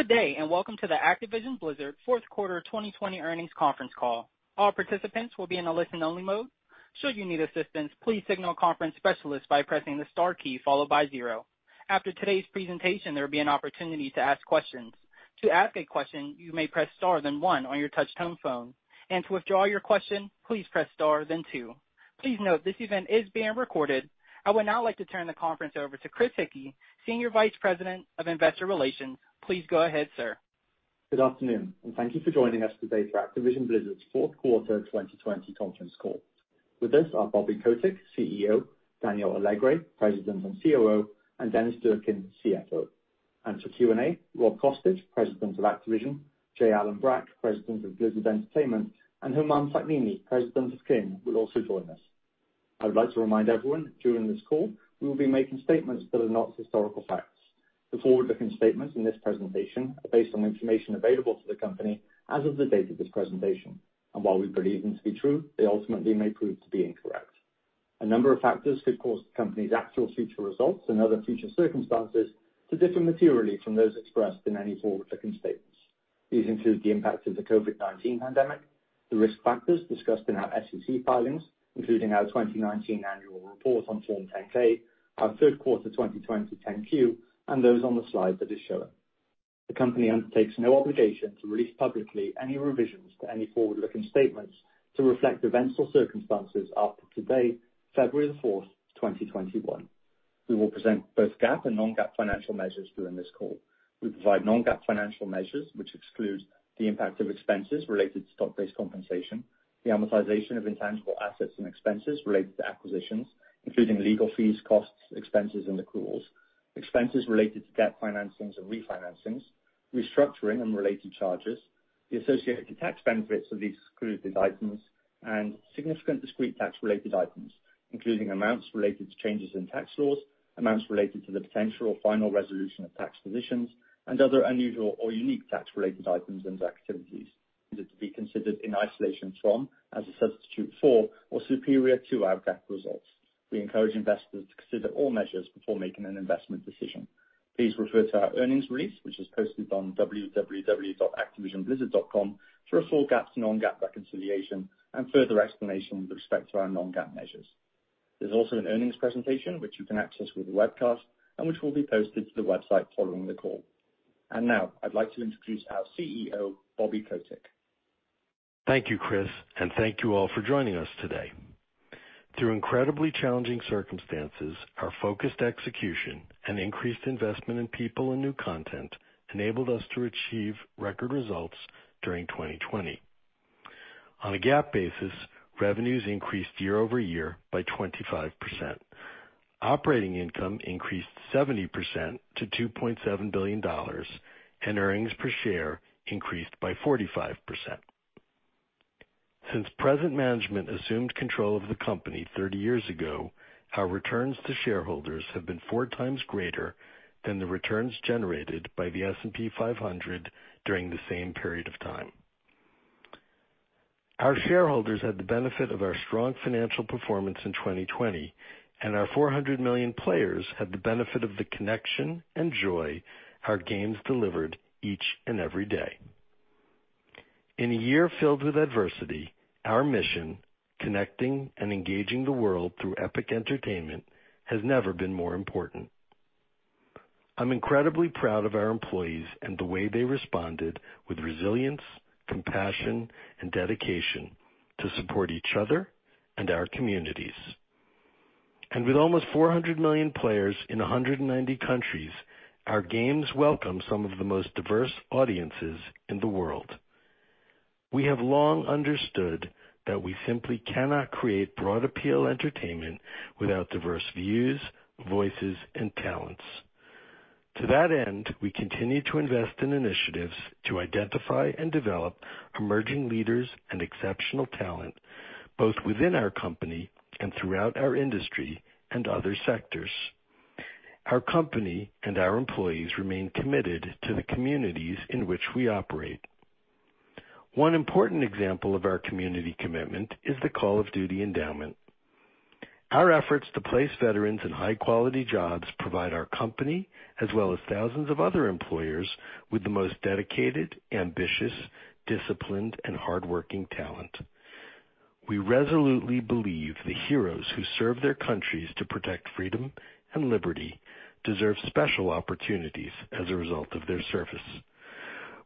Good day. Welcome to the Activision Blizzard fourth quarter 2020 earnings conference call. All participants will be in a listen-only mode. Should you need assistance, please signal a conference specialist by pressing the star key followed by zero. After today's presentation, there will be an opportunity to ask questions. To ask a question, you may press star then one on your touchtone phone, and to withdraw your question, please press star then two. Please note this event is being recorded. I would now like to turn the conference over to Chris Hickey, Senior Vice President of Investor Relations. Please go ahead, sir. Good afternoon. Thank you for joining us today for Activision Blizzard's fourth quarter 2020 conference call. With us are Bobby Kotick, CEO; Daniel Alegre, President and COO; and Dennis Durkin, CFO. For Q&A, Rob Kostich, President of Activision, J. Allen Brack, President of Blizzard Entertainment, and Humam Sakhnini, President of King, will also join us. I would like to remind everyone, during this call, we will be making statements that are not historical facts. The forward-looking statements in this presentation are based on information available to the company as of the date of this presentation, and while we believe them to be true, they ultimately may prove to be incorrect. A number of factors could cause the company's actual future results and other future circumstances to differ materially from those expressed in any forward-looking statements. These include the impact of the COVID-19 pandemic, the risk factors discussed in our SEC filings, including our 2019 annual report on Form 10-K, our third quarter 2020 10-Q, and those on the slide that is showing. The company undertakes no obligation to release publicly any revisions to any forward-looking statements to reflect events or circumstances after today, February 4, 2021. We will present both GAAP and non-GAAP financial measures during this call. We provide non-GAAP financial measures, which exclude the impact of expenses related to stock-based compensation, the amortization of intangible assets, and expenses related to acquisitions, including legal fees, costs, expenses, and accruals, expenses related to debt financings and refinancings, restructuring and related charges, the associated tax benefits of these excluded items, and significant discrete tax-related items, including amounts related to changes in tax laws, amounts related to the potential or final resolution of tax positions, and other unusual or unique tax-related items and activities. These are to be considered in isolation from, as a substitute for, or superior to our GAAP results. We encourage investors to consider all measures before making an investment decision. Please refer to our earnings release, which is posted on www.activisionblizzard.com, for a full GAAP to non-GAAP reconciliation and further explanation with respect to our non-GAAP measures. There's also an earnings presentation, which you can access with the webcast and which will be posted to the website following the call. Now I'd like to introduce our CEO, Bobby Kotick. Thank you, Chris, and thank you all for joining us today. Through incredibly challenging circumstances, our focused execution and increased investment in people and new content enabled us to achieve record results during 2020. On a GAAP basis, revenues increased year-over-year by 25%. Operating income increased 70% to $2.7 billion, and earnings per share increased by 45%. Since present management assumed control of the company 30 years ago, our returns to shareholders have been four times greater than the returns generated by the S&P 500 during the same period of time. Our shareholders had the benefit of our strong financial performance in 2020, and our 400 million players had the benefit of the connection and joy our games delivered each and every day. In a year filled with adversity, our mission, connecting and engaging the world through epic entertainment, has never been more important. I'm incredibly proud of our employees and the way they responded with resilience, compassion, and dedication to support each other and our communities. With almost 400 million players in 190 countries, our games welcome some of the most diverse audiences in the world. We have long understood that we simply cannot create broad appeal entertainment without diverse views, voices, and talents. To that end, we continue to invest in initiatives to identify and develop emerging leaders and exceptional talent, both within our company and throughout our industry and other sectors. Our company and our employees remain committed to the communities in which we operate. One important example of our community commitment is the Call of Duty Endowment. Our efforts to place veterans in high-quality jobs provide our company, as well as thousands of other employers, with the most dedicated, ambitious, disciplined, and hardworking talent. We resolutely believe the heroes who serve their countries to protect freedom and liberty deserve special opportunities as a result of their service.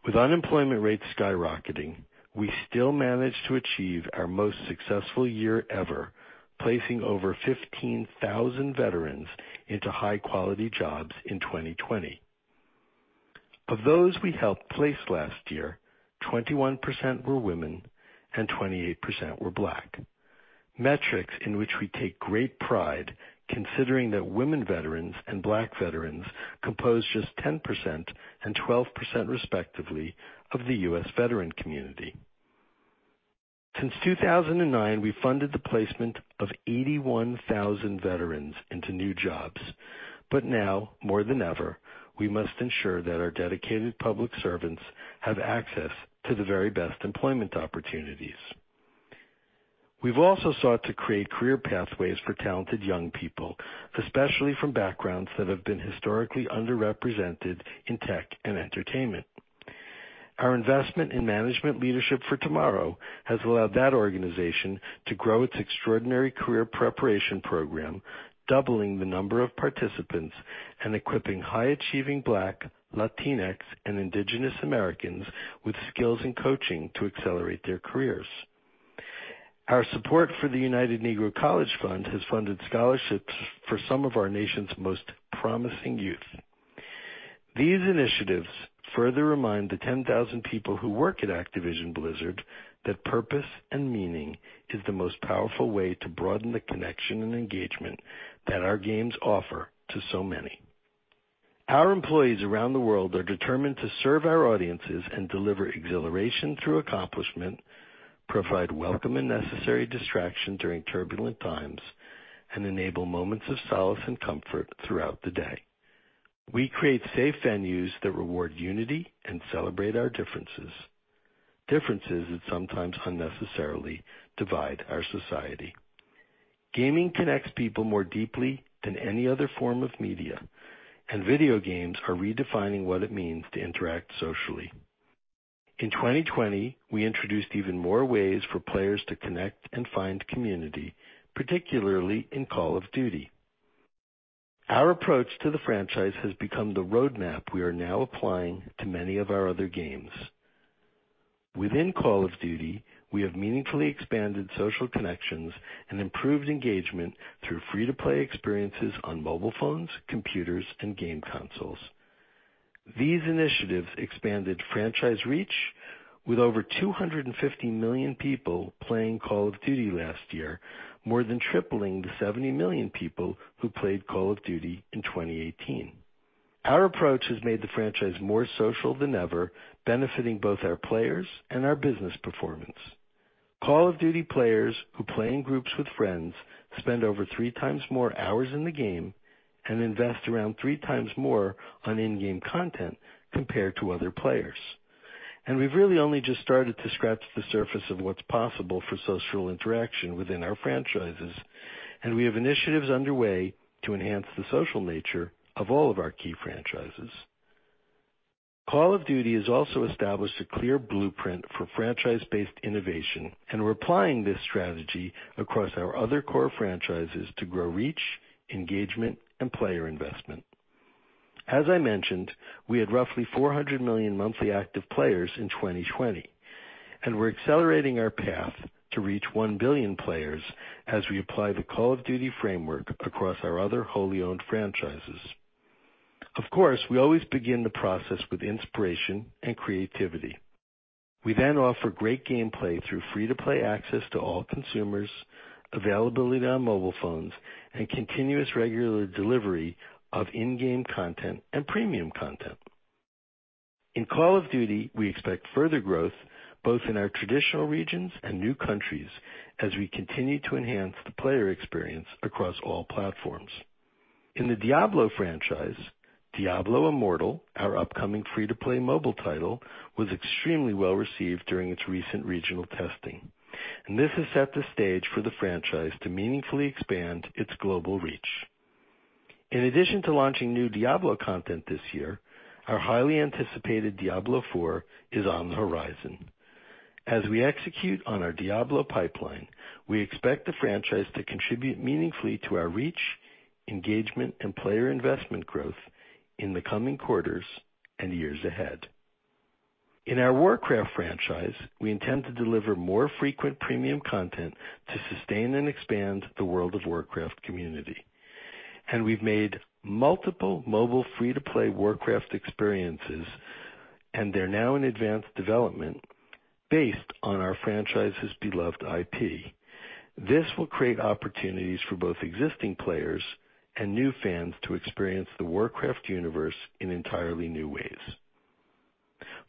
With unemployment rates skyrocketing, we still managed to achieve our most successful year ever, placing over 15,000 veterans into high-quality jobs in 2020. Of those we helped place last year, 21% were women and 28% were Black. Metrics in which we take great pride, considering that women veterans and Black veterans compose just 10% and 12%, respectively, of the U.S. veteran community. Since 2009, we funded the placement of 81,000 veterans into new jobs. Now, more than ever, we must ensure that our dedicated public servants have access to the very best employment opportunities. We've also sought to create career pathways for talented young people, especially from backgrounds that have been historically underrepresented in tech and entertainment. Our investment in Management Leadership for Tomorrow has allowed that organization to grow its extraordinary career preparation program, doubling the number of participants and equipping high-achieving Black, Latinx, and Indigenous Americans with skills and coaching to accelerate their careers. Our support for the United Negro College Fund has funded scholarships for some of our nation's most promising youth. These initiatives further remind the 10,000 people who work at Activision Blizzard that purpose and meaning is the most powerful way to broaden the connection and engagement that our games offer to so many. Our employees around the world are determined to serve our audiences and deliver exhilaration through accomplishment, provide welcome and necessary distraction during turbulent times, and enable moments of solace and comfort throughout the day. We create safe venues that reward unity and celebrate our differences. Differences that sometimes unnecessarily divide our society. Gaming connects people more deeply than any other form of media, and video games are redefining what it means to interact socially. In 2020, we introduced even more ways for players to connect and find community, particularly in Call of Duty. Our approach to the franchise has become the roadmap we are now applying to many of our other games. Within Call of Duty, we have meaningfully expanded social connections and improved engagement through free-to-play experiences on mobile phones, computers, and game consoles. These initiatives expanded franchise reach with over 250 million people playing Call of Duty last year, more than tripling the 70 million people who played Call of Duty in 2018. Our approach has made the franchise more social than ever, benefiting both our players and our business performance. Call of Duty players who play in groups with friends spend over three times more hours in the game and invest around three times more on in-game content compared to other players. We've really only just started to scratch the surface of what's possible for social interaction within our franchises, and we have initiatives underway to enhance the social nature of all of our key franchises. Call of Duty has also established a clear blueprint for franchise-based innovation, and we're applying this strategy across our other core franchises to grow reach, engagement, and player investment. As I mentioned, we had roughly 400 million monthly active players in 2020. And we're accelerating our path to reach 1 billion players as we apply the Call of Duty framework across our other wholly owned franchises. Of course, we always begin the process with inspiration and creativity. We offer great gameplay through free-to-play access to all consumers, availability on mobile phones, and continuous regular delivery of in-game content and premium content. In Call of Duty, we expect further growth both in our traditional regions and new countries as we continue to enhance the player experience across all platforms. In the Diablo franchise, Diablo Immortal, our upcoming free-to-play mobile title, was extremely well-received during its recent regional testing. This has set the stage for the franchise to meaningfully expand its global reach. In addition to launching new Diablo content this year, our highly anticipated Diablo IV is on the horizon. As we execute on our Diablo pipeline, we expect the franchise to contribute meaningfully to our reach, engagement, and player investment growth in the coming quarters and years ahead. In our Warcraft franchise, we intend to deliver more frequent premium content to sustain and expand the World of Warcraft community. We've made multiple mobile free-to-play Warcraft experiences, and they're now in advanced development based on our franchise's beloved IP. This will create opportunities for both existing players and new fans to experience the Warcraft universe in entirely new ways.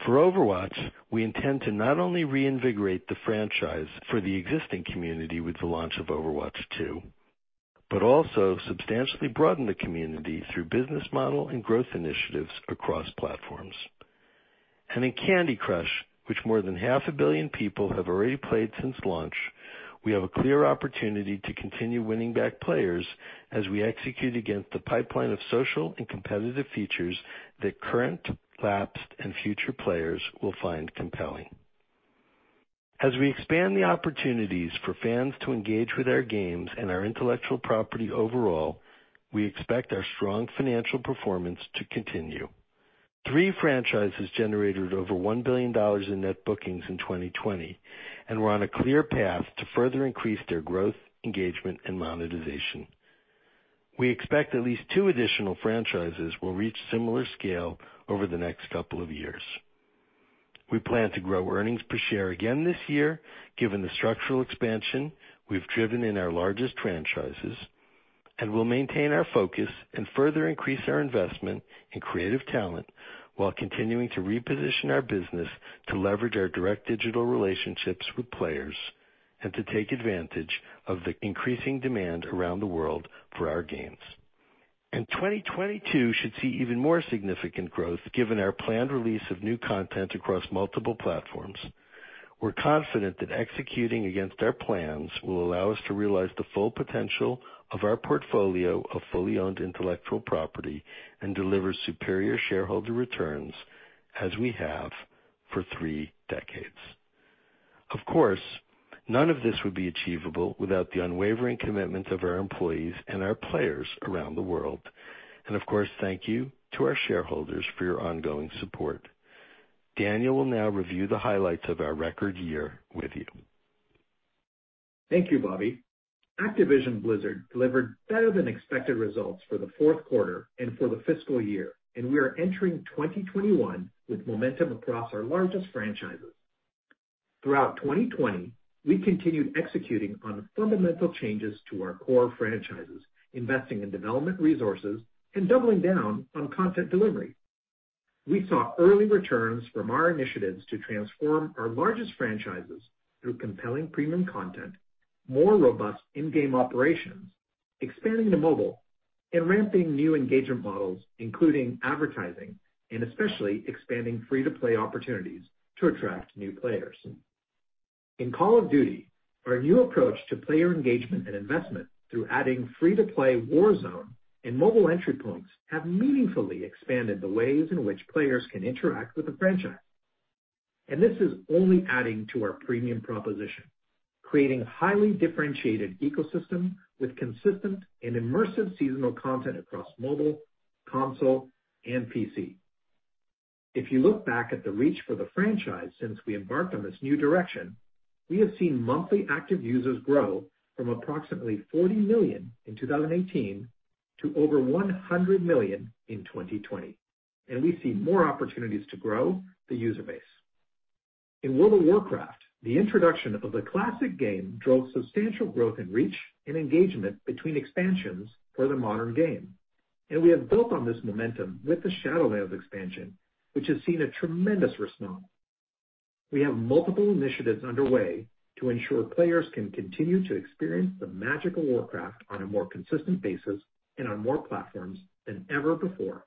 For Overwatch, we intend to not only reinvigorate the franchise for the existing community with the launch of Overwatch 2, but also substantially broaden the community through business model and growth initiatives across platforms. In Candy Crush, which more than half a billion people have already played since launch, we have a clear opportunity to continue winning back players as we execute against the pipeline of social and competitive features that current, lapsed, and future players will find compelling. As we expand the opportunities for fans to engage with our games and our intellectual property overall, we expect our strong financial performance to continue. Three franchises generated over $1 billion in net bookings in 2020, and we're on a clear path to further increase their growth, engagement, and monetization. We expect at least two additional franchises will reach similar scale over the next couple of years. We plan to grow earnings per share again this year, given the structural expansion we've driven in our largest franchises. We'll maintain our focus and further increase our investment in creative talent while continuing to reposition our business to leverage our direct digital relationships with players and to take advantage of the increasing demand around the world for our games. 2022 should see even more significant growth given our planned release of new content across multiple platforms. We're confident that executing against our plans will allow us to realize the full potential of our portfolio of fully owned intellectual property and deliver superior shareholder returns as we have for three decades. Of course, none of this would be achievable without the unwavering commitment of our employees and our players around the world. Of course, thank you to our shareholders for your ongoing support. Daniel will now review the highlights of our record year with you. Thank you, Bobby. Activision Blizzard delivered better than expected results for the fourth quarter and for the fiscal year. We are entering 2021 with momentum across our largest franchises. Throughout 2020, we continued executing on fundamental changes to our core franchises, investing in development resources and doubling down on content delivery. We saw early returns from our initiatives to transform our largest franchises through compelling premium content, more robust in-game operations, expanding to mobile, and ramping new engagement models, including advertising and especially expanding free-to-play opportunities to attract new players. In Call of Duty, our new approach to player engagement and investment through adding free-to-play Warzone and mobile entry points have meaningfully expanded the ways in which players can interact with the franchise. This is only adding to our premium proposition, creating a highly differentiated ecosystem with consistent and immersive seasonal content across mobile, console, and PC. We have seen monthly active users grow from approximately 40 million in 2018 to over 100 million in 2020. We see more opportunities to grow the user base. In World of Warcraft, the introduction of the classic game drove substantial growth in reach and engagement between expansions for the modern game. We have built on this momentum with the Shadowlands expansion, which has seen a tremendous response. We have multiple initiatives underway to ensure players can continue to experience the magic of Warcraft on a more consistent basis and on more platforms than ever before.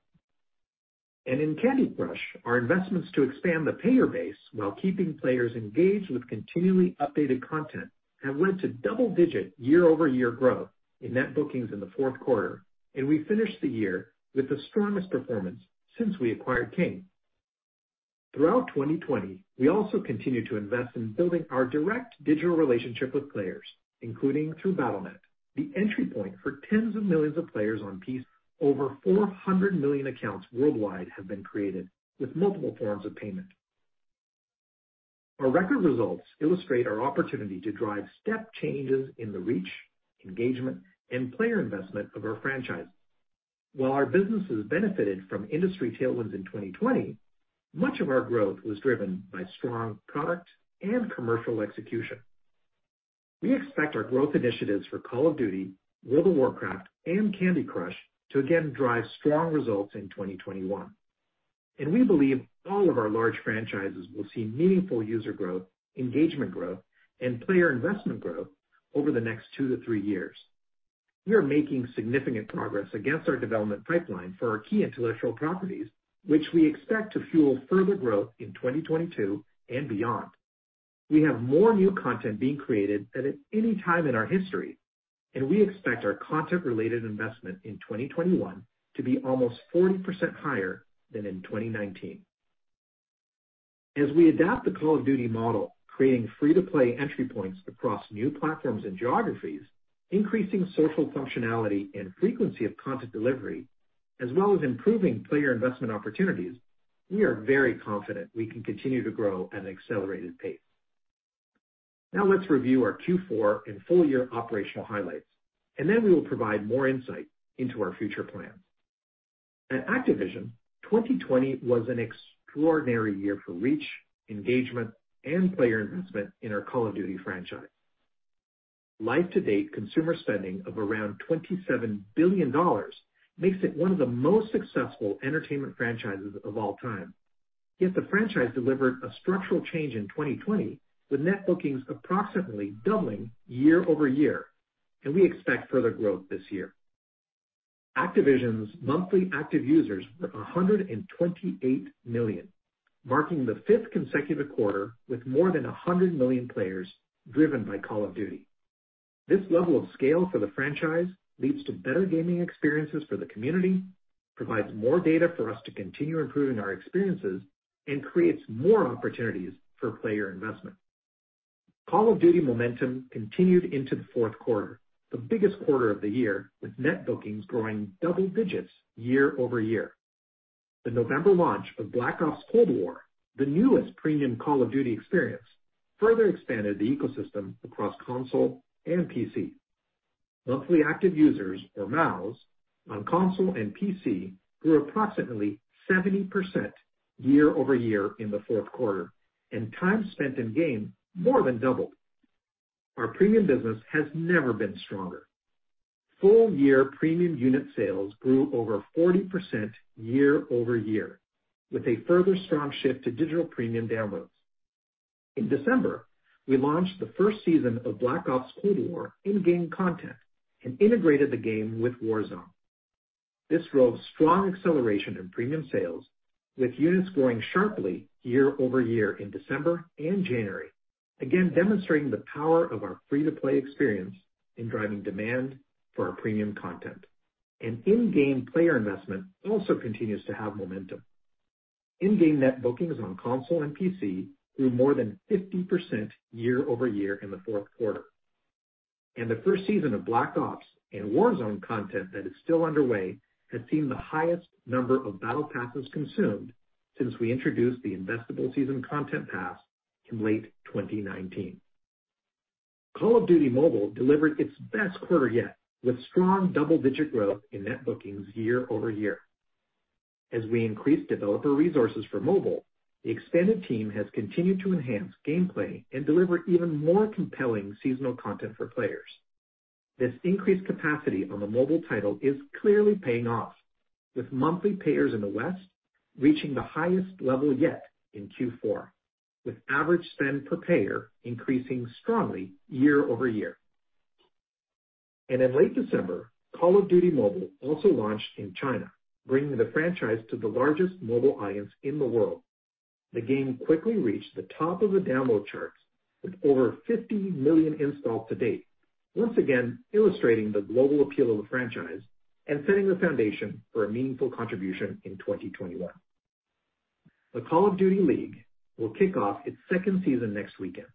In Candy Crush, our investments to expand the payer base while keeping players engaged with continually updated content have led to double-digit year-over-year growth in net bookings in the fourth quarter. We finished the year with the strongest performance since we acquired King. Throughout 2020, we also continued to invest in building our direct digital relationship with players, including through Battle.net, the entry point for tens of millions of players on PC. Over 400 million accounts worldwide have been created with multiple forms of payment. Our record results illustrate our opportunity to drive step changes in the reach, engagement, and player investment of our franchise. While our businesses benefited from industry tailwinds in 2020, much of our growth was driven by strong product and commercial execution. We expect our growth initiatives for Call of Duty, World of Warcraft, and Candy Crush to again drive strong results in 2021. We believe all of our large franchises will see meaningful user growth, engagement growth, and player investment growth over the next two to three years. We are making significant progress against our development pipeline for our key intellectual properties, which we expect to fuel further growth in 2022 and beyond. We have more new content being created than at any time in our history, and we expect our content-related investment in 2021 to be almost 40% higher than in 2019. As we adapt the Call of Duty model, creating free-to-play entry points across new platforms and geographies, increasing social functionality and frequency of content delivery, as well as improving player investment opportunities, we are very confident we can continue to grow at an accelerated pace. Let's review our Q4 and full year operational highlights, then we will provide more insight into our future plans. At Activision, 2020 was an extraordinary year for reach, engagement, and player investment in our Call of Duty franchise. Life to date consumer spending of around $27 billion makes it one of the most successful entertainment franchises of all time. The franchise delivered a structural change in 2020, with net bookings approximately doubling year-over-year, we expect further growth this year. Activision's monthly active users were 128 million, marking the fifth consecutive quarter with more than 100 million players driven by Call of Duty. This level of scale for the franchise leads to better gaming experiences for the community, provides more data for us to continue improving our experiences, and creates more opportunities for player investment. Call of Duty momentum continued into the fourth quarter, the biggest quarter of the year with net bookings growing double-digits year-over-year. The November launch of Black Ops Cold War, the newest premium Call of Duty experience, further expanded the ecosystem across console and PC. Monthly active users, or MAUs, on console and PC grew approximately 70% year-over-year in the fourth quarter, and time spent in-game more than doubled. Our premium business has never been stronger. Full year premium unit sales grew over 40% year-over-year with a further strong shift to digital premium downloads. In December, we launched the first season of Black Ops Cold War in-game content and integrated the game with Warzone. This drove strong acceleration in premium sales, with units growing sharply year-over-year in December and January, again demonstrating the power of our free-to-play experience in driving demand for our premium content. In-game player investment also continues to have momentum. In-game net bookings on console and PC grew more than 50% year-over-year in the fourth quarter. The first season of Black Ops and Warzone content that is still underway has seen the highest number of battle passes consumed since we introduced the investable season content pass in late 2019. Call of Duty: Mobile delivered its best quarter yet, with strong double-digit growth in net bookings year-over-year. As we increase developer resources for mobile, the expanded team has continued to enhance gameplay and deliver even more compelling seasonal content for players. This increased capacity on the mobile title is clearly paying off, with monthly payers in the West reaching the highest level yet in Q4, with average spend per payer increasing strongly year-over-year. In late December, Call of Duty: Mobile also launched in China, bringing the franchise to the largest mobile audience in the world. The game quickly reached the top of the download charts with over 50 million installs to date, once again illustrating the global appeal of the franchise and setting the foundation for a meaningful contribution in 2021. The Call of Duty League will kick off its second season next weekend.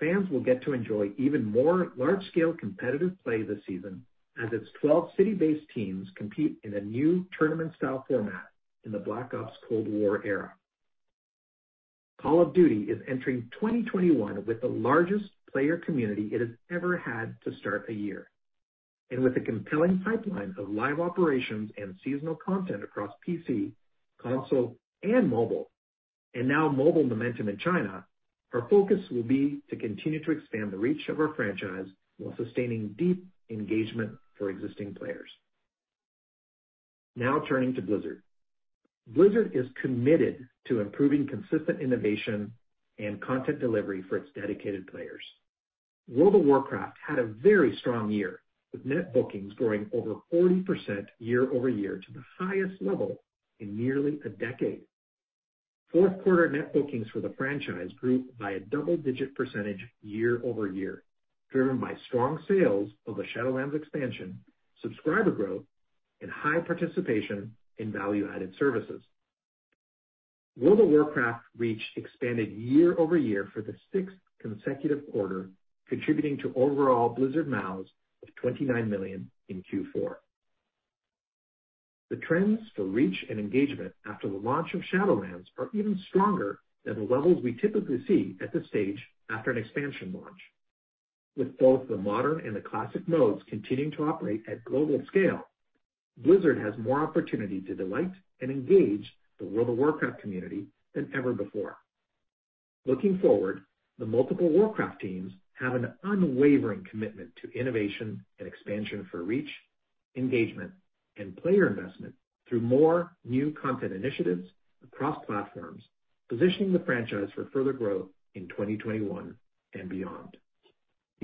Fans will get to enjoy even more large-scale competitive play this season as its 12 city-based teams compete in a new tournament-style format in the Black Ops Cold War era. Call of Duty is entering 2021 with the largest player community it has ever had to start a year. With a compelling pipeline of live operations and seasonal content across PC, console, and mobile, and now mobile momentum in China, our focus will be to continue to expand the reach of our franchise while sustaining deep engagement for existing players. Now turning to Blizzard. Blizzard is committed to improving consistent innovation and content delivery for its dedicated players. World of Warcraft had a very strong year, with net bookings growing over 40% year-over-year to the highest level in nearly a decade. Fourth quarter net bookings for the franchise grew by a double-digit percentage year-over-year, driven by strong sales of the Shadowlands expansion, subscriber growth, and high participation in value-added services. World of Warcraft reach expanded year-over-year for the sixth consecutive quarter, contributing to overall Blizzard MAUs of 29 million in Q4. The trends for reach and engagement after the launch of Shadowlands are even stronger than the levels we typically see at this stage after an expansion launch. With both the modern and the classic modes continuing to operate at global scale, Blizzard has more opportunity to delight and engage the World of Warcraft community than ever before. Looking forward, the multiple Warcraft teams have an unwavering commitment to innovation and expansion for reach, engagement, and player investment through more new content initiatives across platforms, positioning the franchise for further growth in 2021 and beyond.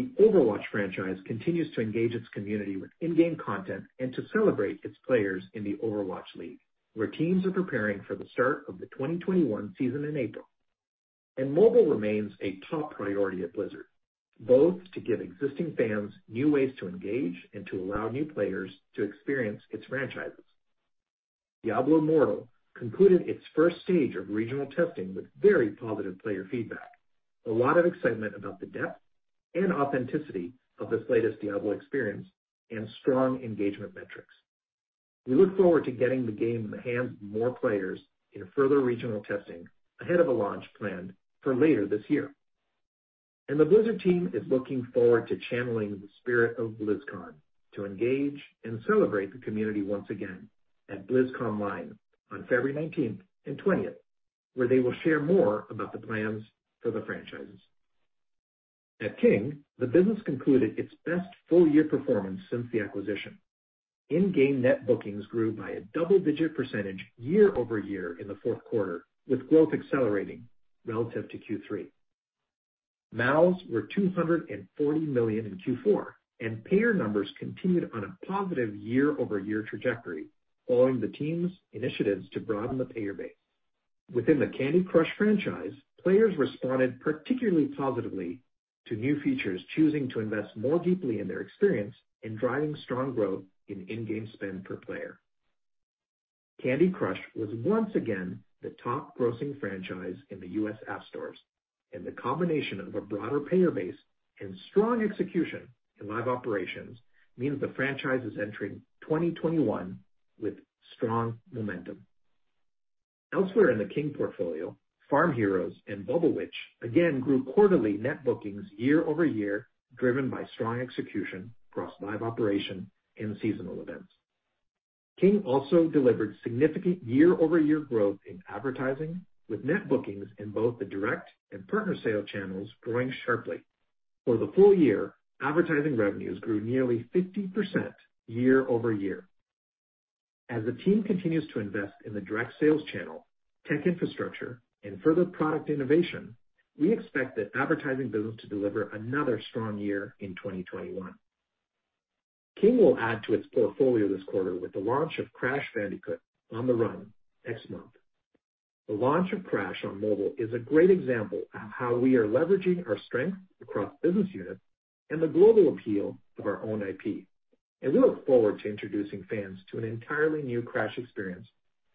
The Overwatch franchise continues to engage its community with in-game content and to celebrate its players in the Overwatch League, where teams are preparing for the start of the 2021 season in April. Mobile remains a top priority at Blizzard, both to give existing fans new ways to engage and to allow new players to experience its franchises. Diablo Immortal concluded its first stage of regional testing with very positive player feedback, a lot of excitement about the depth and authenticity of this latest Diablo experience, and strong engagement metrics. We look forward to getting the game in the hands of more players in further regional testing ahead of a launch planned for later this year. The Blizzard team is looking forward to channeling the spirit of BlizzCon to engage and celebrate the community once again at BlizzConline on February 19th and 20th, where they will share more about the plans for the franchises. At King, the business concluded its best full-year performance since the acquisition. In-game net bookings grew by a double-digit percentage year-over-year in the fourth quarter, with growth accelerating relative to Q3. MAUs were 240 million in Q4, and payer numbers continued on a positive year-over-year trajectory, following the team's initiatives to broaden the payer base. Within the Candy Crush franchise, players responded particularly positively to new features, choosing to invest more deeply in their experience in driving strong growth in in-game spend per player. Candy Crush was once again the top grossing franchise in the U.S. App Stores, and the combination of a broader payer base and strong execution in live operations means the franchise is entering 2021 with strong momentum. Elsewhere in the King portfolio, Farm Heroes and Bubble Witch again grew quarterly net bookings year-over-year, driven by strong execution across live operation and seasonal events. King also delivered significant year-over-year growth in advertising, with net bookings in both the direct and partner sale channels growing sharply. For the full year, advertising revenues grew nearly 50% year-over-year. As the team continues to invest in the direct sales channel, tech infrastructure, and further product innovation, we expect the advertising business to deliver another strong year in 2021. King will add to its portfolio this quarter with the launch of Crash Bandicoot: On the Run! next month. The launch of Crash on mobile is a great example of how we are leveraging our strength across business units and the global appeal of our own IP. We look forward to introducing fans to an entirely new Crash experience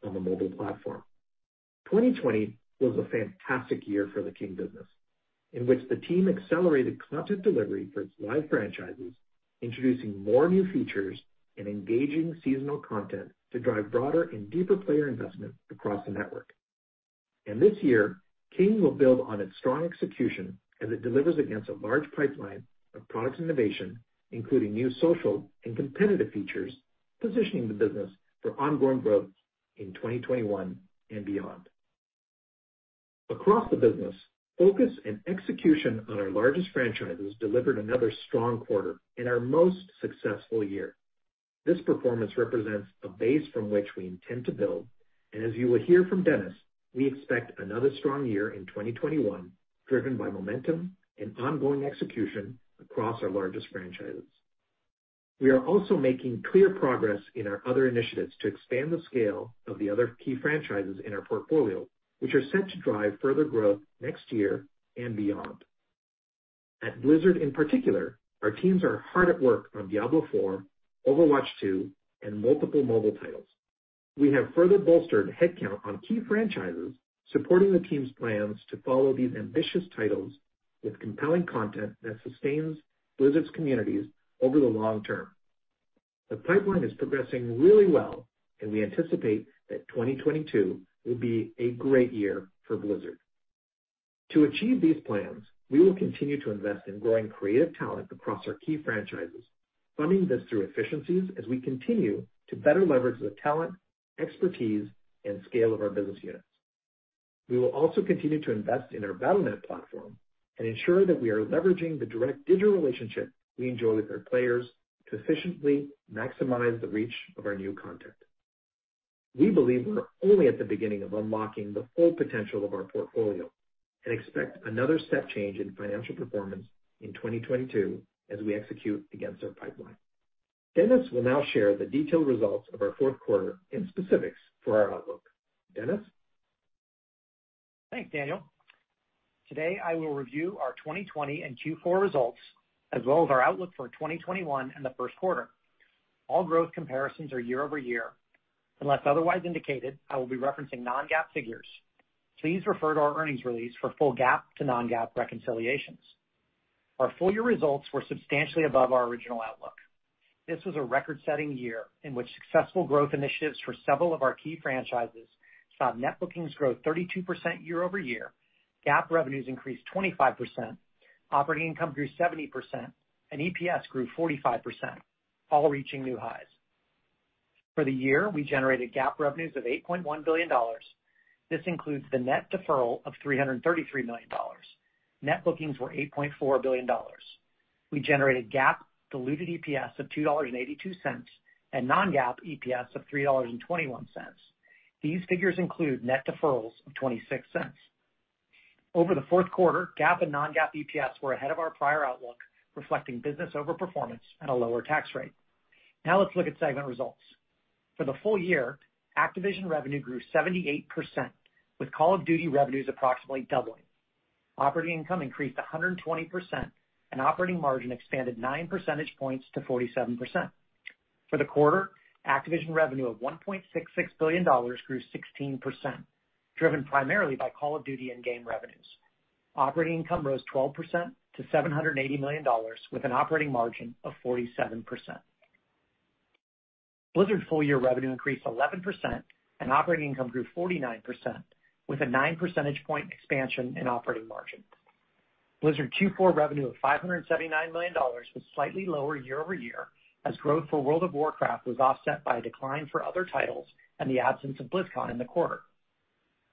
on the mobile platform. 2020 was a fantastic year for the King business, in which the team accelerated content delivery for its live franchises, introducing more new features and engaging seasonal content to drive broader and deeper player investment across the network. This year, King will build on its strong execution as it delivers against a large pipeline of products innovation, including new social and competitive features, positioning the business for ongoing growth in 2021 and beyond. Across the business, focus and execution on our largest franchises delivered another strong quarter and our most successful year. This performance represents a base from which we intend to build, and as you will hear from Dennis, we expect another strong year in 2021, driven by momentum and ongoing execution across our largest franchises. We are also making clear progress in our other initiatives to expand the scale of the other key franchises in our portfolio, which are set to drive further growth next year and beyond. At Blizzard in particular, our teams are hard at work on Diablo IV, Overwatch 2, and multiple mobile titles. We have further bolstered headcount on key franchises, supporting the team's plans to follow these ambitious titles with compelling content that sustains Blizzard's communities over the long term. The pipeline is progressing really well, and we anticipate that 2022 will be a great year for Blizzard. To achieve these plans, we will continue to invest in growing creative talent across our key franchises, funding this through efficiencies as we continue to better leverage the talent, expertise, and scale of our business units. We will also continue to invest in our Battle.net platform and ensure that we are leveraging the direct digital relationship we enjoy with our players to efficiently maximize the reach of our new content. We believe we're only at the beginning of unlocking the full potential of our portfolio and expect another step change in financial performance in 2022 as we execute against our pipeline. Dennis will now share the detailed results of our fourth quarter and specifics for our outlook. Dennis? Thanks, Daniel. Today, I will review our 2020 and Q4 results, as well as our outlook for 2021 and the first quarter. All growth comparisons are year-over-year. Unless otherwise indicated, I will be referencing non-GAAP figures. Please refer to our earnings release for full GAAP to non-GAAP reconciliations. Our full year results were substantially above our original outlook. This was a record-setting year in which successful growth initiatives for several of our key franchises saw net bookings grow 32% year-over-year, GAAP revenues increased 25%, operating income grew 70%, and EPS grew 45%, all reaching new highs. For the year, we generated GAAP revenues of $8.1 billion. This includes the net deferral of $333 million. Net bookings were $8.4 billion. We generated GAAP diluted EPS of $2.82 and non-GAAP EPS of $3.21. These figures include net deferrals of $0.26. Over the fourth quarter, GAAP and non-GAAP EPS were ahead of our prior outlook, reflecting business overperformance and a lower tax rate. Let's look at segment results. For the full year, Activision revenue grew 78%, with Call of Duty revenues approximately doubling. Operating income increased 120%, and operating margin expanded nine percentage points to 47%. For the quarter, Activision revenue of $1.66 billion grew 16%, driven primarily by Call of Duty in-game revenues. Operating income rose 12% to $780 million, with an operating margin of 47%. Blizzard full year revenue increased 11%, and operating income grew 49%, with a nine percentage point expansion in operating margin. Blizzard Q4 revenue of $579 million was slightly lower year-over-year, as growth for World of Warcraft was offset by a decline for other titles and the absence of BlizzCon in the quarter.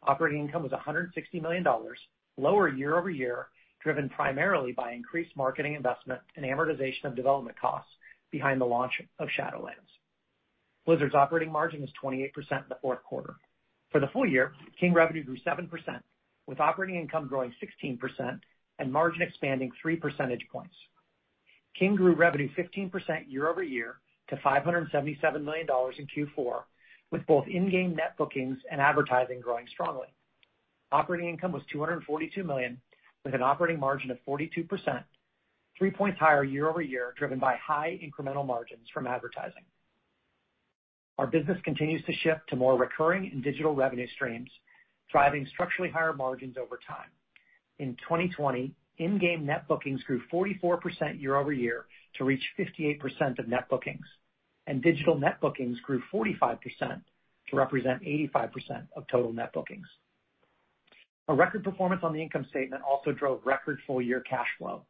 Operating income was $160 million, lower year-over-year, driven primarily by increased marketing investment and amortization of development costs behind the launch of Shadowlands. Blizzard's operating margin was 28% in the fourth quarter. For the full year, King revenue grew 7%, with operating income growing 16% and margin expanding three percentage points. King grew revenue 15% year-over-year to $577 million in Q4, with both in-game net bookings and advertising growing strongly. Operating income was $242 million, with an operating margin of 42%, three points higher year-over-year, driven by high incremental margins from advertising. Our business continues to shift to more recurring and digital revenue streams, driving structurally higher margins over time. In 2020, in-game net bookings grew 44% year-over-year to reach 58% of net bookings, and digital net bookings grew 45% to represent 85% of total net bookings. A record performance on the income statement also drove record full year cash flow.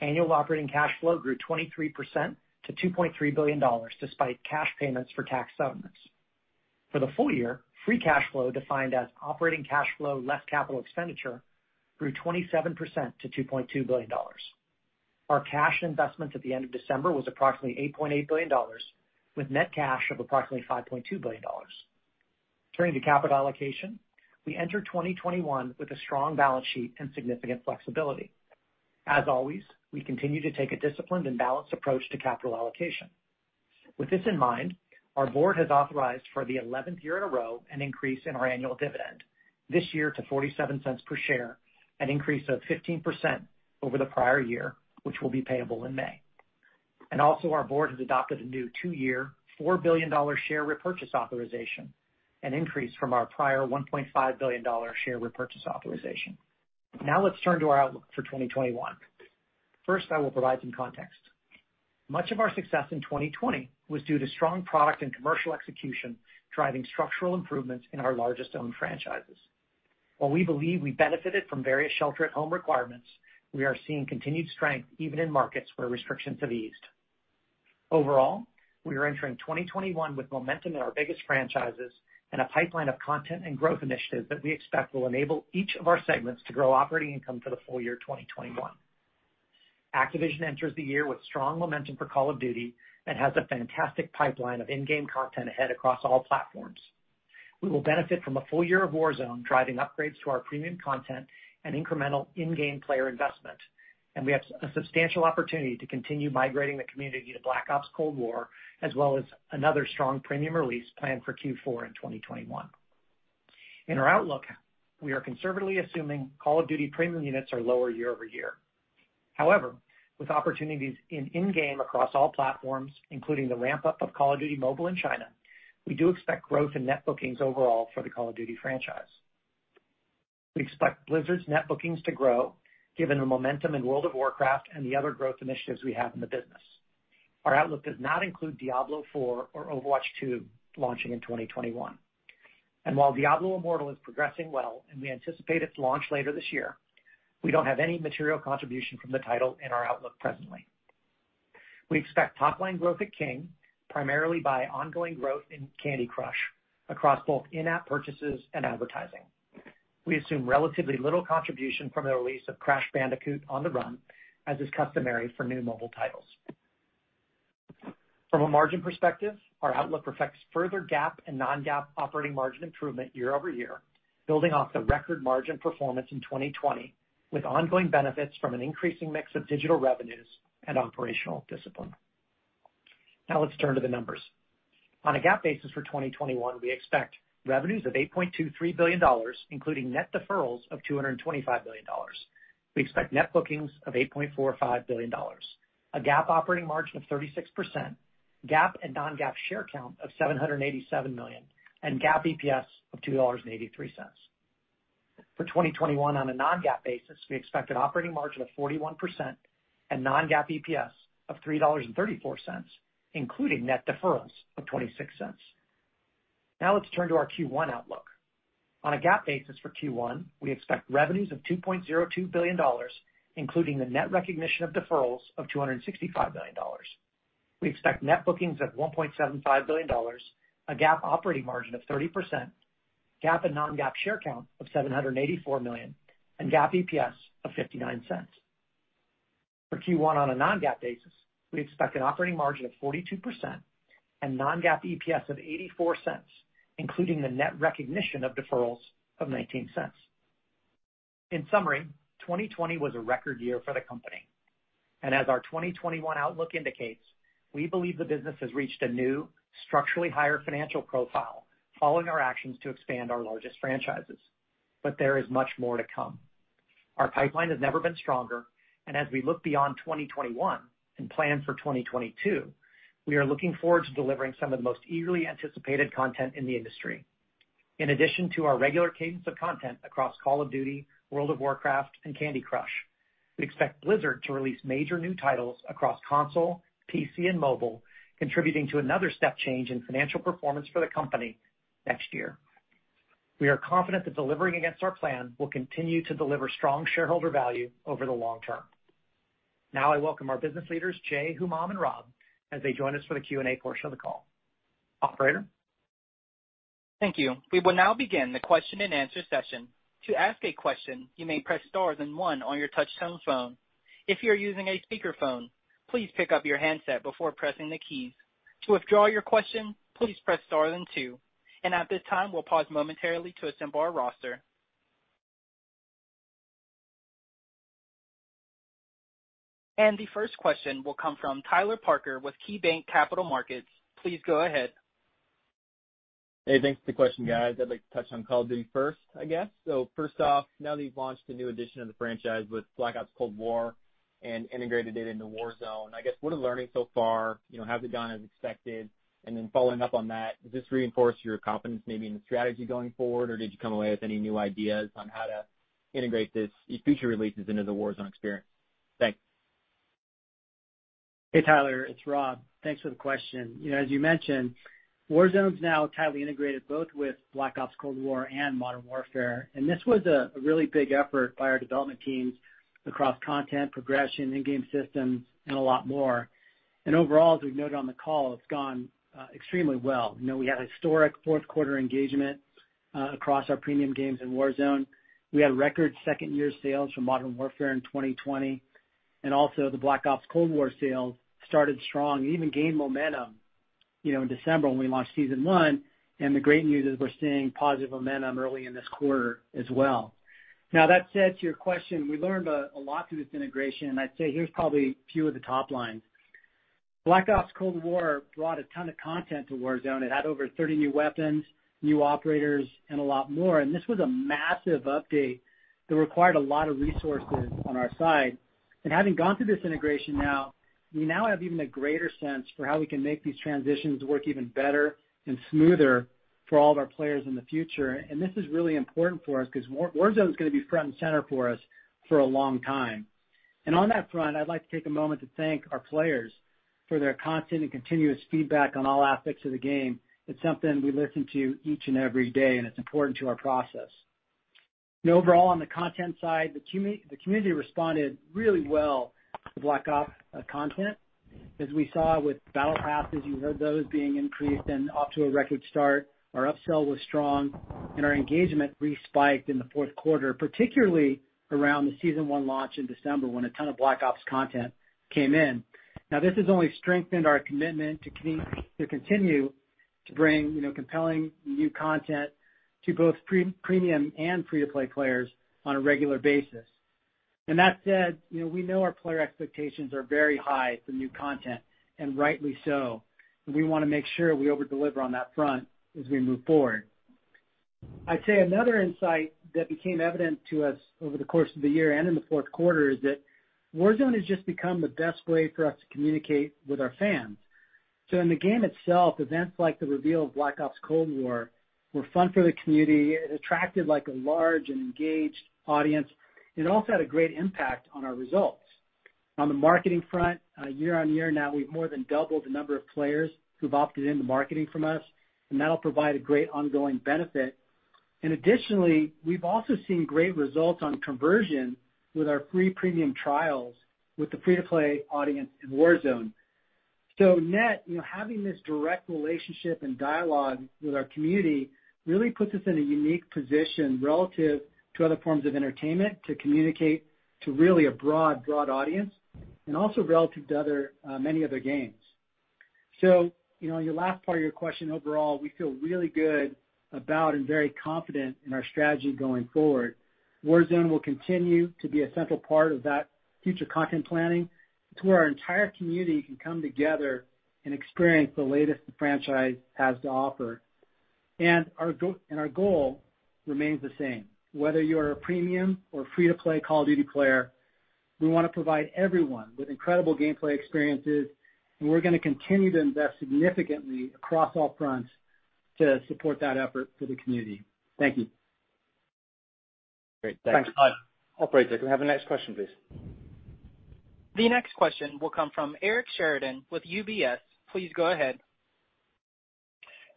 Annual operating cash flow grew 23% to $2.3 billion, despite cash payments for tax settlements. For the full year, free cash flow defined as operating cash flow less capital expenditure grew 27% to $2.2 billion. Our cash investments at the end of December was approximately $8.8 billion with net cash of approximately $5.2 billion. Turning to capital allocation, we enter 2021 with a strong balance sheet and significant flexibility. As always, we continue to take a disciplined and balanced approach to capital allocation. With this in mind, our board has authorized for the 11th year in a row an increase in our annual dividend. This year to $0.47 per share, an increase of 15% over the prior year, which will be payable in May. Also our board has adopted a new 2-year, $4 billion share repurchase authorization, an increase from our prior $1.5 billion share repurchase authorization. Let's turn to our outlook for 2021. First, I will provide some context. Much of our success in 2020 was due to strong product and commercial execution driving structural improvements in our largest owned franchises. While we believe we benefited from various shelter-at-home requirements, we are seeing continued strength even in markets where restrictions have eased. Overall, we are entering 2021 with momentum in our biggest franchises and a pipeline of content and growth initiatives that we expect will enable each of our segments to grow operating income for the full year 2021. Activision enters the year with strong momentum for Call of Duty and has a fantastic pipeline of in-game content ahead across all platforms. We will benefit from a full year of Warzone driving upgrades to our premium content and incremental in-game player investment, and we have a substantial opportunity to continue migrating the community to Black Ops Cold War, as well as another strong premium release planned for Q4 in 2021. However, with opportunities in in-game across all platforms, including the ramp-up of Call of Duty: Mobile in China, we do expect growth in net bookings overall for the Call of Duty franchise. We expect Blizzard's net bookings to grow given the momentum in World of Warcraft and the other growth initiatives we have in the business. Our outlook does not include Diablo IV or Overwatch 2 launching in 2021. While Diablo Immortal is progressing well and we anticipate its launch later this year, we don't have any material contribution from the title in our outlook presently. We expect top line growth at King, primarily by ongoing growth in Candy Crush across both in-app purchases and advertising. We assume relatively little contribution from the release of Crash Bandicoot: On the Run!, as is customary for new mobile titles. From a margin perspective, our outlook reflects further GAAP and non-GAAP operating margin improvement year-over-year, building off the record margin performance in 2020, with ongoing benefits from an increasing mix of digital revenues and operational discipline. Now let's turn to the numbers. On a GAAP basis for 2021, we expect revenues of $8.23 billion, including net deferrals of $225 million. We expect net bookings of $8.45 billion, a GAAP operating margin of 36%, GAAP and non-GAAP share count of 787 million, and GAAP EPS of $2.83. For 2021 on a non-GAAP basis, we expect an operating margin of 41% and non-GAAP EPS of $3.34, including net deferrals of $0.26. Now let's turn to our Q1 outlook. On a GAAP basis for Q1, we expect revenues of $2.02 billion, including the net recognition of deferrals of $265 million. We expect net bookings of $1.75 billion, a GAAP operating margin of 30%, GAAP and non-GAAP share count of 784 million and GAAP EPS of $0.59. For Q1 on a non-GAAP basis, we expect an operating margin of 42% and non-GAAP EPS of $0.84, including the net recognition of deferrals of $0.19. In summary, 2020 was a record year for the company. As our 2021 outlook indicates, we believe the business has reached a new, structurally higher financial profile following our actions to expand our largest franchises. There is much more to come. Our pipeline has never been stronger, and as we look beyond 2021 and plan for 2022, we are looking forward to delivering some of the most eagerly anticipated content in the industry. In addition to our regular cadence of content across Call of Duty, World of Warcraft and Candy Crush, we expect Blizzard to release major new titles across console, PC and mobile, contributing to another step change in financial performance for the company next year. We are confident that delivering against our plan will continue to deliver strong shareholder value over the long term. Now I welcome our business leaders, Jay, Humam and Rob, as they join us for the Q&A portion of the call. Operator? Thank you. We will now begin the question and answer session. To ask a question, you may press star then one on your touchtone phone. If you are using a speakerphone, please pick up your handset before pressing the keys. To withdraw your question, please press star then two. At this time, we'll pause momentarily to assemble our roster. The first question will come from Tyler Parker with KeyBank Capital Markets. Please go ahead. Hey, thanks for the question, guys. I'd like to touch on Call of Duty first, I guess. First off, now that you've launched a new edition of the franchise with Black Ops Cold War and integrated it into Warzone, I guess, what are the learnings so far? Has it gone as expected? Then following up on that, does this reinforce your confidence maybe in the strategy going forward, or did you come away with any new ideas on how to integrate these future releases into the Warzone experience? Thanks. Hey, Tyler, it's Rob. Thanks for the question. As you mentioned, Warzone is now tightly integrated both with Black Ops Cold War and Modern Warfare, this was a really big effort by our development teams across content progression, in-game systems, and a lot more. Overall, as we've noted on the call, it's gone extremely well. We had historic fourth quarter engagement across our premium games in Warzone. We had record second-year sales from Modern Warfare in 2020, also the Black Ops Cold War sales started strong and even gained momentum in December when we launched season one, the great news is we're seeing positive momentum early in this quarter as well. That said, to your question, we learned a lot through this integration, I'd say here's probably a few of the top lines. Black Ops Cold War brought a ton of content to Warzone. It had over 30 new weapons, new operators, and a lot more, this was a massive update that required a lot of resources on our side. Having gone through this integration now, we now have even a greater sense for how we can make these transitions work even better and smoother for all of our players in the future. This is really important for us because Warzone is going to be front and center for us for a long time. On that front, I'd like to take a moment to thank our players for their constant and continuous feedback on all aspects of the game. It's something we listen to each and every day, it's important to our process. Overall, on the content side, the community responded really well to the Black Ops content. As we saw with battle passes, you heard those being increased and off to a record start. Our upsell was strong and our engagement re-spiked in the fourth quarter, particularly around the season one launch in December when a ton of Black Ops content came in. This has only strengthened our commitment to continue to bring compelling new content to both premium and free-to-play players on a regular basis. That said, we know our player expectations are very high for new content, and rightly so. We want to make sure we over-deliver on that front as we move forward. I'd say another insight that became evident to us over the course of the year and in the fourth quarter is that Warzone has just become the best way for us to communicate with our fans. In the game itself, events like the reveal of Black Ops Cold War were fun for the community. It attracted a large and engaged audience. It also had a great impact on our results. On the marketing front, year-over-year now, we've more than doubled the number of players who've opted into marketing from us, and that'll provide a great ongoing benefit. Additionally, we've also seen great results on conversion with our free premium trials with the free-to-play audience in Warzone. Net, having this direct relationship and dialogue with our community really puts us in a unique position relative to other forms of entertainment to communicate to really a broad audience, and also relative to many other games. Your last part of your question, overall, we feel really good about and very confident in our strategy going forward. Warzone will continue to be a central part of that future content planning. It's where our entire community can come together and experience the latest the franchise has to offer. Our goal remains the same. Whether you're a premium or free-to-play Call of Duty player, we want to provide everyone with incredible gameplay experiences, and we're going to continue to invest significantly across all fronts to support that effort for the community. Thank you. Great. Thanks. Thanks. Operator, can we have the next question, please? The next question will come from Erik Sheridan with UBS. Please go ahead.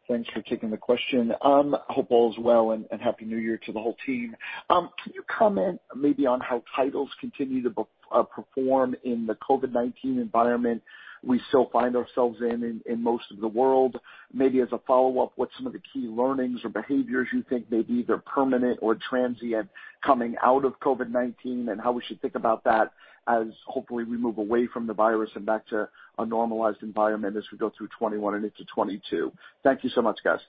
Thanks for taking the question. I hope all is well, and Happy New Year to the whole team. Can you comment maybe on how titles continue to perform in the COVID-19 environment we still find ourselves in in most of the world? Maybe as a follow-up, what's some of the key learnings or behaviors you think may be either permanent or transient coming out of COVID-19, and how we should think about that as, hopefully, we move away from the virus and back to a normalized environment as we go through 2021 and into 2022. Thank you so much, guys.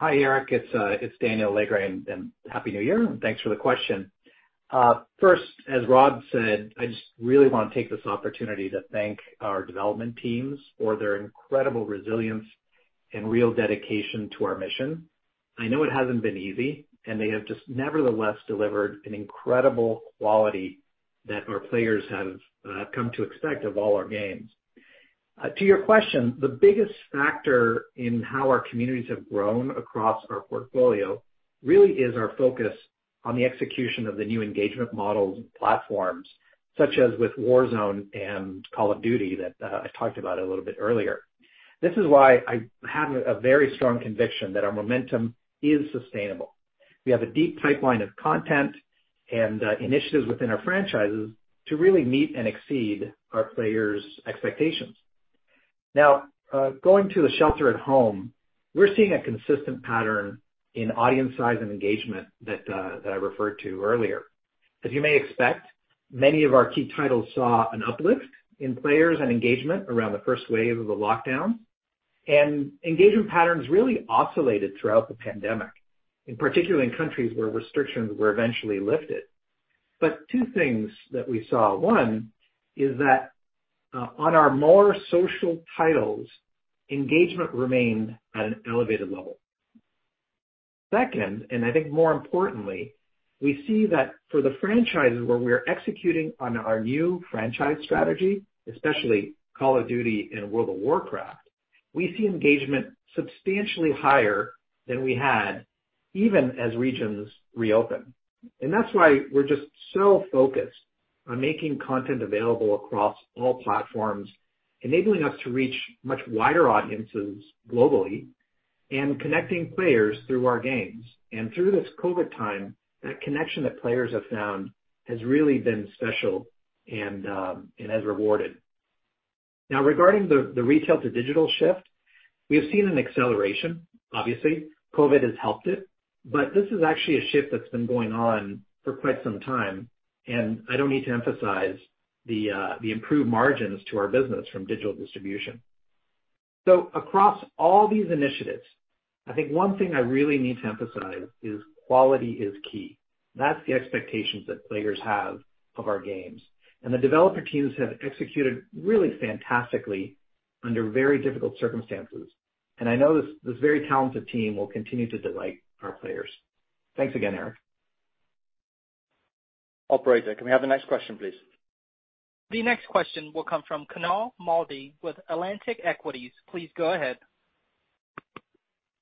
Hi, Erik. It's Daniel Alegre, and Happy New Year, and thanks for the question. First, as Rob said, I just really want to take this opportunity to thank our development teams for their incredible resilience and real dedication to our mission. I know it hasn't been easy, and they have just nevertheless delivered an incredible quality that our players have come to expect of all our games. To your question, the biggest factor in how our communities have grown across our portfolio really is our focus on the execution of the new engagement models and platforms, such as with Warzone and Call of Duty that I talked about a little bit earlier. This is why I have a very strong conviction that our momentum is sustainable. We have a deep pipeline of content and initiatives within our franchises to really meet and exceed our players' expectations. Going to the shelter at home, we're seeing a consistent pattern in audience size and engagement that I referred to earlier. As you may expect, many of our key titles saw an uplift in players and engagement around the first wave of the lockdown, and engagement patterns really oscillated throughout the pandemic, and particularly in countries where restrictions were eventually lifted. Two things that we saw, one is that on our more social titles, engagement remained at an elevated level. Second, and I think more importantly, we see that for the franchises where we're executing on our new franchise strategy, especially Call of Duty and World of Warcraft- We see engagement substantially higher than we had even as regions reopen. That's why we're just so focused on making content available across all platforms, enabling us to reach much wider audiences globally and connecting players through our games. Through this COVID time, that connection that players have found has really been special and has rewarded. Regarding the retail to digital shift, we have seen an acceleration. Obviously, COVID has helped it, but this is actually a shift that's been going on for quite some time, and I don't need to emphasize the improved margins to our business from digital distribution. Across all these initiatives, I think one thing I really need to emphasize is quality is key. That's the expectations that players have of our games. The developer teams have executed really fantastically under very difficult circumstances. I know this very talented team will continue to delight our players. Thanks again, Eric. Operator, can we have the next question, please? The next question will come from Kunaal Malde with Atlantic Equities. Please go ahead.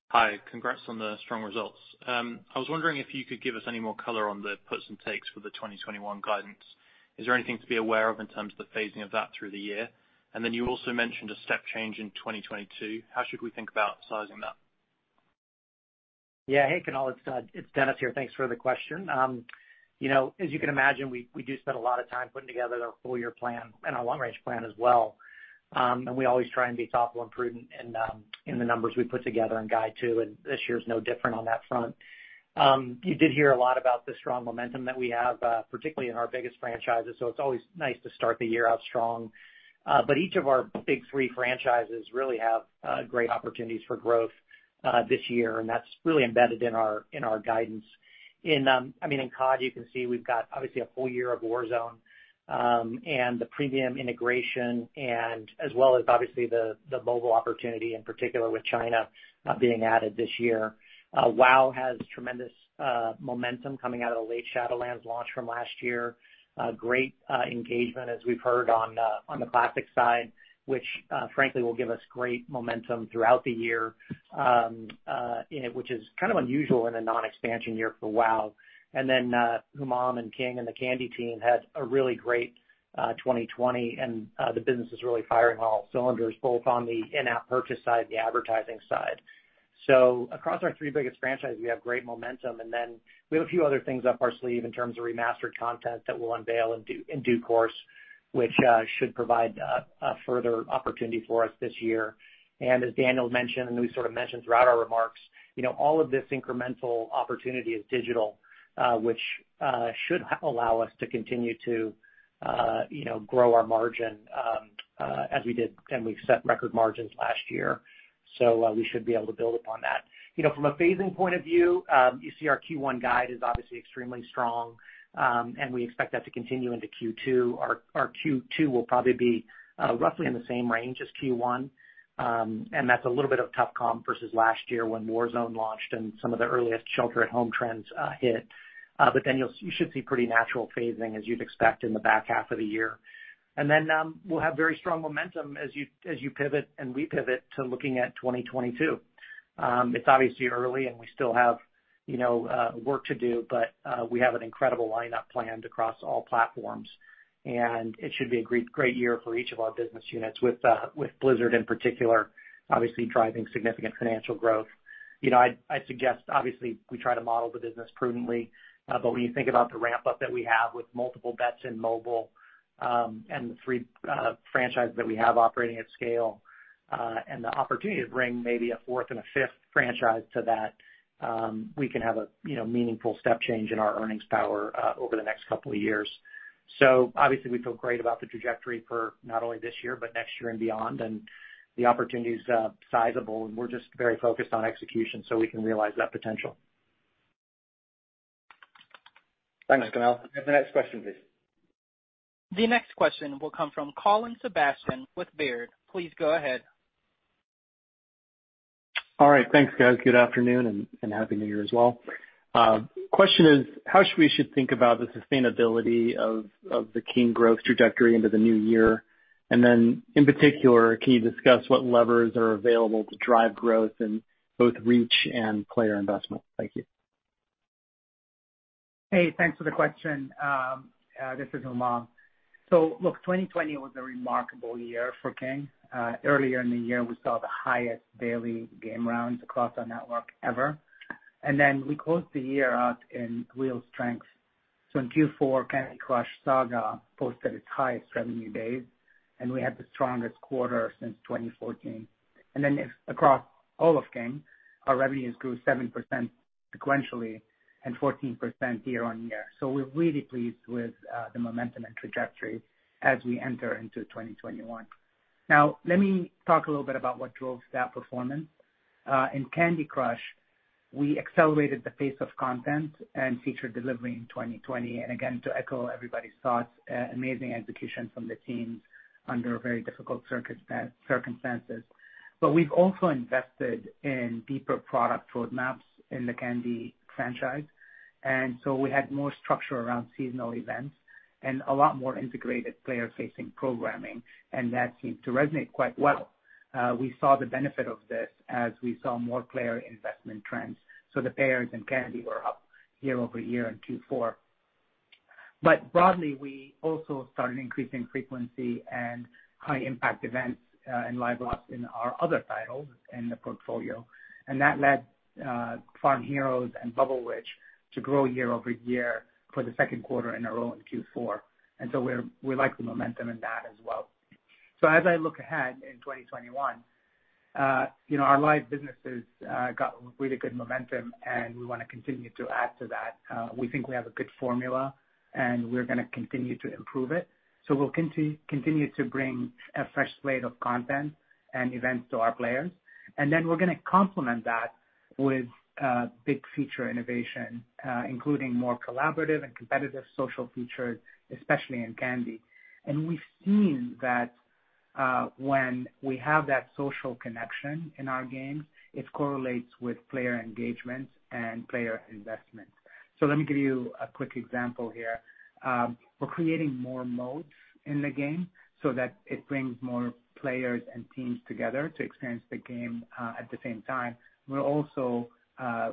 Hi. Congrats on the strong results. I was wondering if you could give us any more color on the puts and takes for the 2021 guidance. Is there anything to be aware of in terms of the phasing of that through the year? Then you also mentioned a step change in 2022. How should we think about sizing that? Yeah. Hey, Kunaal. It's Dennis here. Thanks for the question. As you can imagine, we do spend a lot of time putting together our full-year plan and our long-range plan as well. We always try and be thoughtful and prudent in the numbers we put together and guide to, and this year is no different on that front. You did hear a lot about the strong momentum that we have, particularly in our biggest franchises, so it's always nice to start the year out strong. Each of our big three franchises really have great opportunities for growth this year, and that's really embedded in our guidance. In CoD, you can see we've got obviously a full year of Warzone, and the premium integration, and as well as obviously the mobile opportunity in particular with China being added this year. WOW has tremendous momentum coming out of the late Shadowlands launch from last year. Great engagement as we've heard on the classic side, which frankly will give us great momentum throughout the year, which is kind of unusual in a non-expansion year for WOW. Then Humam and King and the Candy team had a really great 2020, and the business is really firing all cylinders, both on the in-app purchase side, the advertising side. Across our three biggest franchises, we have great momentum, and then we have a few other things up our sleeve in terms of remastered content that we'll unveil in due course, which should provide a further opportunity for us this year. As Daniel mentioned, we sort of mentioned throughout our remarks, all of this incremental opportunity is digital, which should allow us to continue to grow our margin as we did, and we've set record margins last year. We should be able to build upon that. From a phasing point of view, you see our Q1 guide is obviously extremely strong, and we expect that to continue into Q2. Our Q2 will probably be roughly in the same range as Q1, and that's a little bit of tough comp versus last year when Warzone launched and some of the earliest shelter-at-home trends hit. You should see pretty natural phasing as you'd expect in the back half of the year. We'll have very strong momentum as you pivot and we pivot to looking at 2022. It's obviously early and we still have work to do, but we have an incredible lineup planned across all platforms, and it should be a great year for each of our business units with Blizzard in particular, obviously driving significant financial growth. I suggest obviously we try to model the business prudently, but when you think about the ramp-up that we have with multiple bets in mobile, and the three franchises that we have operating at scale, and the opportunity to bring maybe a fourth and a fifth franchise to that, we can have a meaningful step change in our earnings power over the next couple of years. Obviously we feel great about the trajectory for not only this year, but next year and beyond, and the opportunity is sizable and we're just very focused on execution so we can realize that potential. Thanks, Kunaal. Can we have the next question, please? The next question will come from Colin Sebastian with Baird. Please go ahead. All right. Thanks, guys. Good afternoon and happy New Year as well. Question is, how we should think about the sustainability of the King growth trajectory into the new year? In particular, can you discuss what levers are available to drive growth in both reach and player investment? Thank you. Hey, thanks for the question. This is Humam. Look, 2020 was a remarkable year for King. Earlier in the year, we saw the highest daily game rounds across our network ever. We closed the year out in real strength. In Q4, Candy Crush Saga posted its highest revenue days, and we had the strongest quarter since 2014. Across all of King, our revenues grew 7% sequentially and 14% year-on-year. We're really pleased with the momentum and trajectory as we enter into 2021. Now, let me talk a little bit about what drove that performance. In Candy Crush, we accelerated the pace of content and feature delivery in 2020. Again, to echo everybody's thoughts, amazing execution from the teams under very difficult circumstances. We've also invested in deeper product roadmaps in the Candy franchise. We had more structure around seasonal events and a lot more integrated player-facing programming, and that seemed to resonate quite well. We saw the benefit of this as we saw more player investment trends. The payers in Candy were up year-over-year in Q4. Broadly, we also started increasing frequency and high impact events in live ops in our other titles in the portfolio. That led Farm Heroes and Bubble Witch to grow year-over-year for the second quarter in a row in Q4. We like the momentum in that as well. As I look ahead in 2021, our live businesses got really good momentum, and we want to continue to add to that. We think we have a good formula, and we're going to continue to improve it. We'll continue to bring a fresh slate of content and events to our players. We're going to complement that with big feature innovation, including more collaborative and competitive social features, especially in Candy. We've seen that when we have that social connection in our games, it correlates with player engagement and player investment. Let me give you a quick example here. We're creating more modes in the game so that it brings more players and teams together to experience the game at the same time. We're also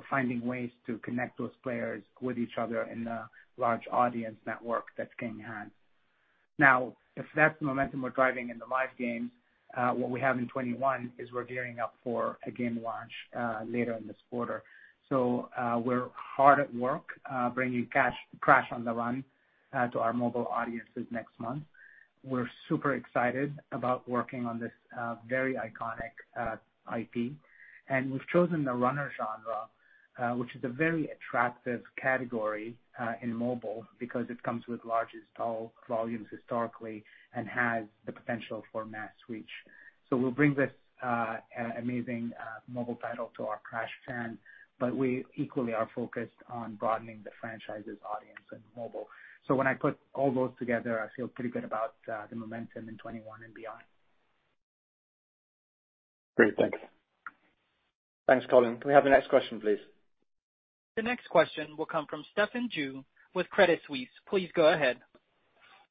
finding ways to connect those players with each other in the large audience network that's King. If that's the momentum we're driving in the live games, what we have in 2021 is we're gearing up for a game launch later in this quarter. We're hard at work bringing Crash Bandicoot: On the Run! to our mobile audiences next month. We're super excited about working on this very iconic IP. We've chosen the runner genre, which is a very attractive category in mobile because it comes with largest volumes historically and has the potential for mass reach. We'll bring this amazing mobile title to our Crash fans, but we equally are focused on broadening the franchise's audience in mobile. When I put all those together, I feel pretty good about the momentum in 2021 and beyond. Great. Thank you. Thanks, Colin. Can we have the next question, please? The next question will come from Stefan Juve with Credit Suisse. Please go ahead.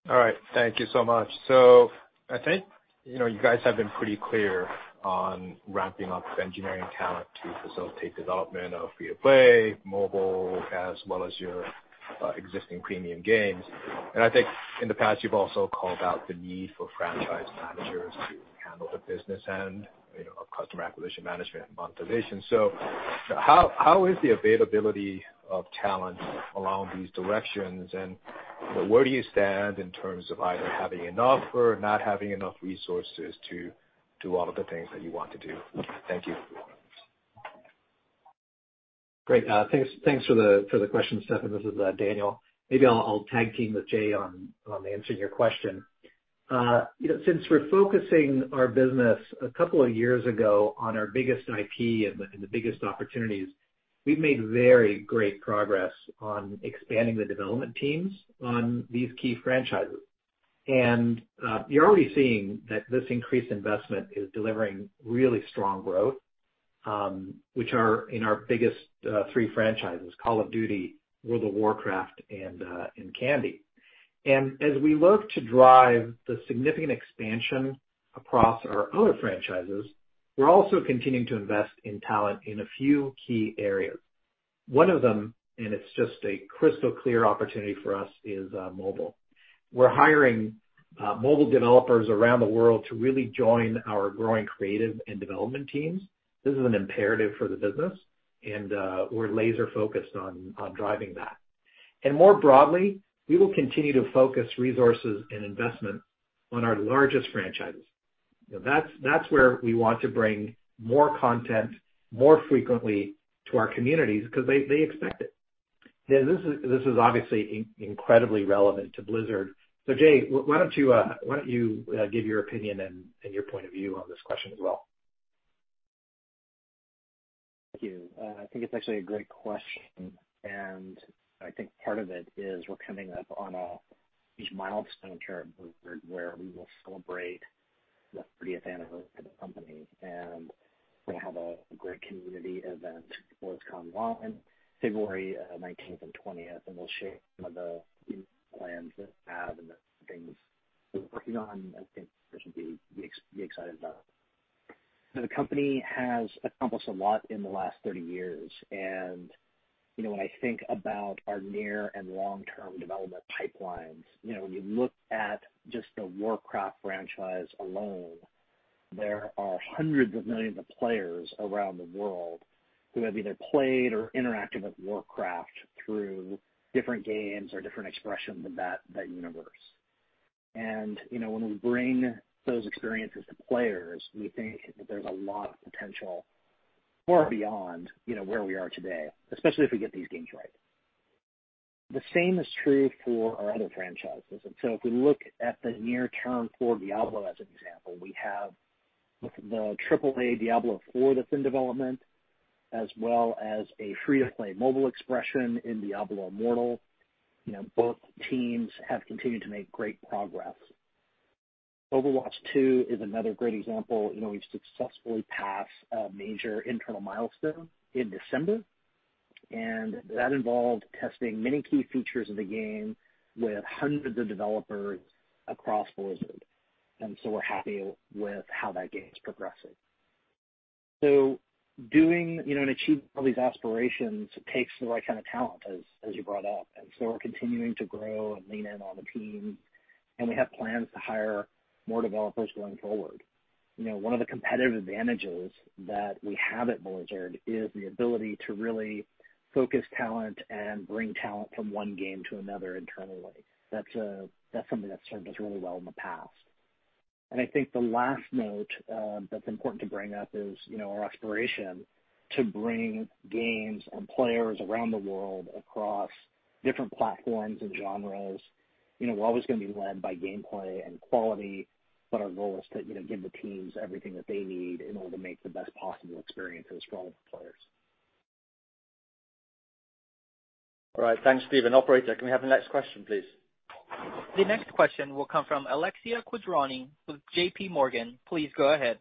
All right. Thank you so much. I think you guys have been pretty clear on ramping up engineering talent to facilitate development of free to play mobile as well as your existing premium games. I think in the past, you've also called out the need for franchise managers to handle the business end of customer acquisition management and monetization. How is the availability of talent along these directions, and where do you stand in terms of either having enough or not having enough resources to do all of the things that you want to do? Thank you. Great. Thanks for the question, Stefan. This is Daniel. Maybe I'll tag team with Jay on answering your question. Since we're focusing our business a couple of years ago on our biggest IP and the biggest opportunities, we've made very great progress on expanding the development teams on these key franchises. You're already seeing that this increased investment is delivering really strong growth, which are in our biggest three franchises, Call of Duty, World of Warcraft, and Candy. As we look to drive the significant expansion across our other franchises, we're also continuing to invest in talent in a few key areas. One of them, and it's just a crystal clear opportunity for us, is mobile. We're hiring mobile developers around the world to really join our growing creative and development teams. This is an imperative for the business, and we're laser focused on driving that. More broadly, we will continue to focus resources and investment on our largest franchises. That's where we want to bring more content more frequently to our communities because they expect it. This is obviously incredibly relevant to Blizzard. Jay, why don't you give your opinion and your point of view on this question as well? Thank you. I think it's actually a great question, and I think part of it is we're coming up on a huge milestone here at Blizzard where we will celebrate the 30th anniversary of the company, and we have a great community event, BlizzConline, February 19th and 20th. We'll share some of the plans that we have and the things we're working on that I think people should be excited about. The company has accomplished a lot in the last 30 years, and when I think about our near and long-term development pipelines, when you look at just the Warcraft franchise alone, there are hundreds of millions of players around the world who have either played or interacted with Warcraft through different games or different expressions of that universe. When we bring those experiences to players, we think that there's a lot of potential far beyond where we are today, especially if we get these games right. The same is true for our other franchises. If we look at the near term for Diablo, as an example, we have the triple A Diablo IV that's in development, as well as a free-to-play mobile expression in Diablo Immortal. Both teams have continued to make great progress. Overwatch 2 is another great example. We successfully passed a major internal milestone in December. That involved testing many key features of the game with hundreds of developers across Blizzard. We're happy with how that game's progressing. Doing and achieving all these aspirations takes the right kind of talent, as you brought up. We're continuing to grow and lean in on the team, and we have plans to hire more developers going forward. One of the competitive advantages that we have at Blizzard is the ability to really focus talent and bring talent from one game to another internally. That's something that's served us really well in the past. I think the last note that's important to bring up is our aspiration to bring games and players around the world across different platforms and genres. We're always going to be led by gameplay and quality, but our goal is to give the teams everything that they need in order to make the best possible experience for the strongest players. All right. Thanks, Stephen. Operator, can we have the next question, please? The next question will come from Alexia Quadrani with J.P. Morgan. Please go ahead.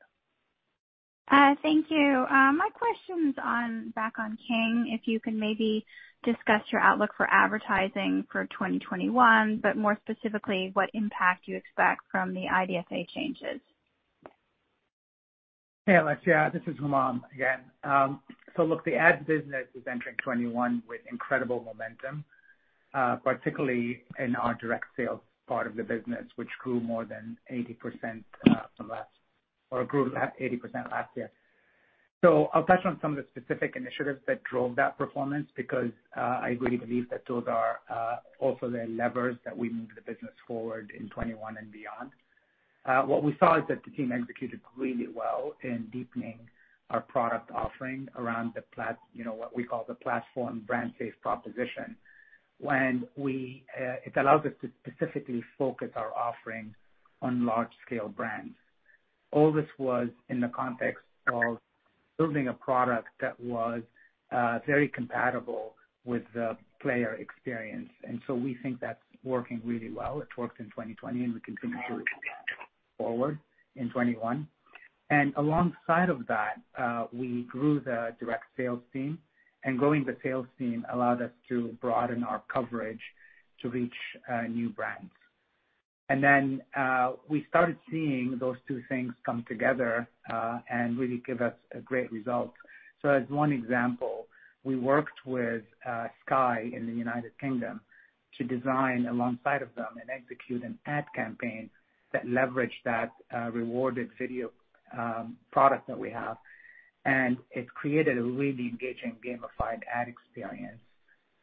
Thank you. My question's back on King, if you can maybe discuss your outlook for advertising for 2021, but more specifically, what impact you expect from the IDFA changes. Hey, Alexia. This is Humam again. Look, the ad business is entering 2021 with incredible momentum, particularly in our direct sales part of the business, which grew 80% last year. I'll touch on some of the specific initiatives that drove that performance, because I really believe that those are also the levers that we move the business forward in 2021 and beyond. What we saw is that the team executed really well in deepening our product offering around what we call the platform brand safe proposition. It allows us to specifically focus our offerings on large scale brands. All this was in the context of building a product that was very compatible with the player experience. We think that's working really well. It worked in 2020, and we continue to forward in 2021. Alongside of that, we grew the direct sales team. Growing the sales team allowed us to broaden our coverage to reach new brands. We started seeing those two things come together and really give us a great result. As one example, we worked with Sky in the U.K. to design alongside of them and execute an ad campaign that leveraged that rewarded video product that we have. It created a really engaging gamified ad experience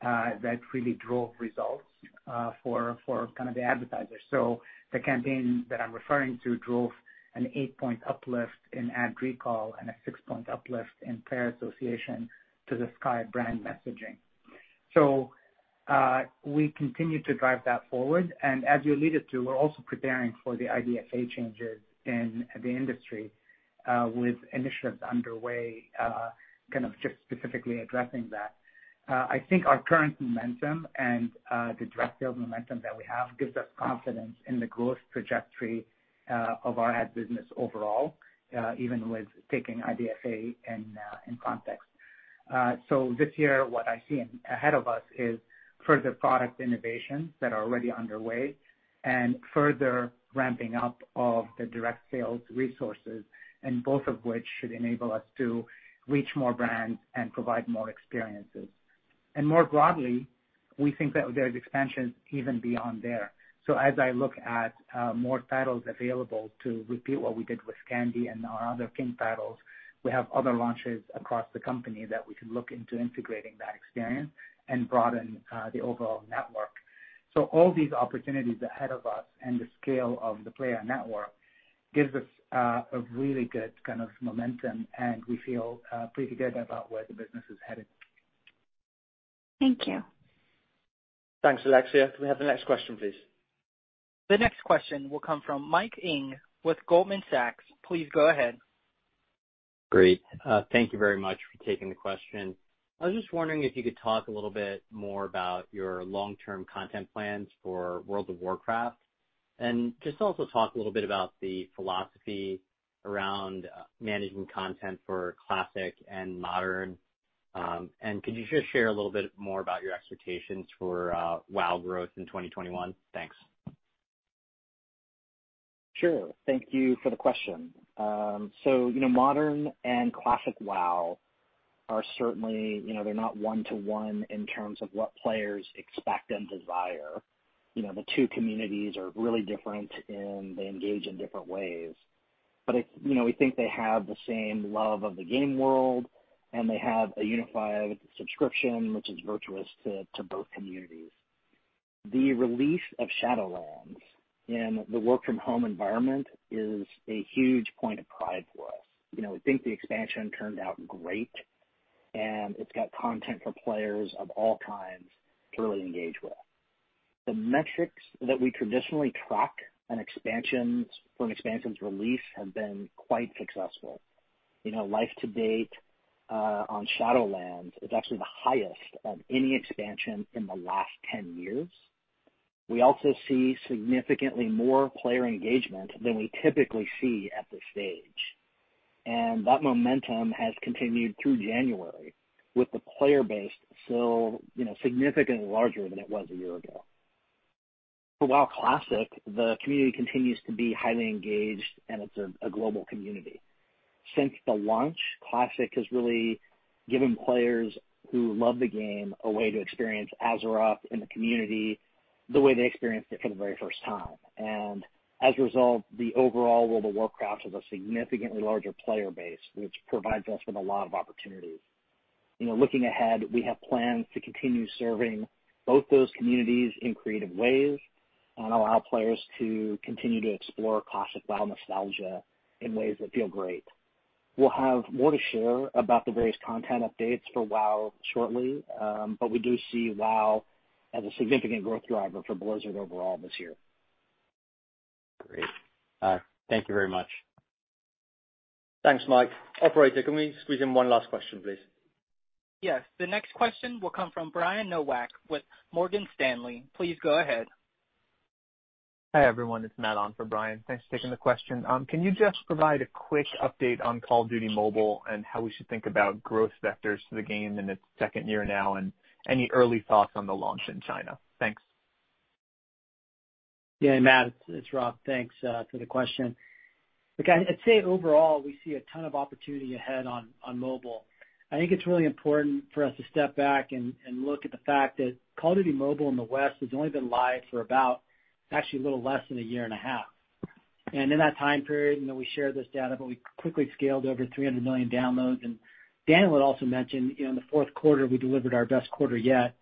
that really drove results for the advertisers. The campaign that I'm referring to drove an eight-point uplift in ad recall and a six-point uplift in player association to the Sky brand messaging. We continue to drive that forward. As you alluded to, we're also preparing for the IDFA changes in the industry, with initiatives underway, just specifically addressing that. I think our current momentum and the direct sales momentum that we have gives us confidence in the growth trajectory of our ad business overall, even with taking IDFA in context. This year, what I see ahead of us is further product innovations that are already underway and further ramping up of the direct sales resources, both of which should enable us to reach more brands and provide more experiences. More broadly, we think that there's expansion even beyond there. As I look at more titles available to repeat what we did with Candy Crush and our other King titles, we have other launches across the company that we can look into integrating that experience and broaden the overall network. All these opportunities ahead of us and the scale of the player network gives us a really good momentum, and we feel pretty good about where the business is headed. Thank you. Thanks, Alexia. Can we have the next question, please? The next question will come from Michael Ng with Goldman Sachs. Please go ahead. Great. Thank you very much for taking the question. I was just wondering if you could talk a little bit more about your long-term content plans for World of Warcraft, and just also talk a little bit about the philosophy around managing content for Classic and Modern. Could you just share a little bit more about your expectations for WoW growth in 2021? Thanks. Sure. Thank you for the question. Modern and Classic WoW are certainly not one-to-one in terms of what players expect and desire. The two communities are really different, and they engage in different ways. We think they have the same love of the game world, and they have a unified subscription, which is virtuous to both communities. The release of Shadowlands in the work from home environment is a huge point of pride for us. We think the expansion turned out great, and it's got content for players of all kinds to really engage with. The metrics that we traditionally track from an expansion's release have been quite successful. Life to date on Shadowlands is actually the highest of any expansion in the last 10 years. We also see significantly more player engagement than we typically see at this stage. That momentum has continued through January, with the player base still significantly larger than it was a year ago. For Wow Classic, the community continues to be highly engaged, and it's a global community. Since the launch, Classic has really given players who love the game a way to experience Azeroth and the community the way they experienced it for the very first time. As a result, the overall World of Warcraft has a significantly larger player base, which provides us with a lot of opportunities. Looking ahead, we have plans to continue serving both those communities in creative ways and allow players to continue to explore Classic Wow nostalgia in ways that feel great. We'll have more to share about the various content updates for Wow shortly. We do see Wow as a significant growth driver for Blizzard overall this year. Great. Thank you very much. Thanks, Mike. Operator, can we squeeze in one last question, please? Yes. The next question will come from Brian Nowak with Morgan Stanley. Please go ahead. Hi, everyone. It's Matt on for Brian. Thanks for taking the question. Can you just provide a quick update on Call of Duty: Mobile and how we should think about growth vectors for the game in its second year now, and any early thoughts on the launch in China? Thanks. Yeah, Matt, it's Rob. Thanks for the question. Look, I'd say overall, we see a ton of opportunity ahead on mobile. I think it's really important for us to step back and look at the fact that Call of Duty: Mobile in the West has only been live for about actually a little less than a year and a half. In that time period, we shared this data, but we quickly scaled over 300 million downloads. Daniel had also mentioned, in the fourth quarter, we delivered our best quarter yet,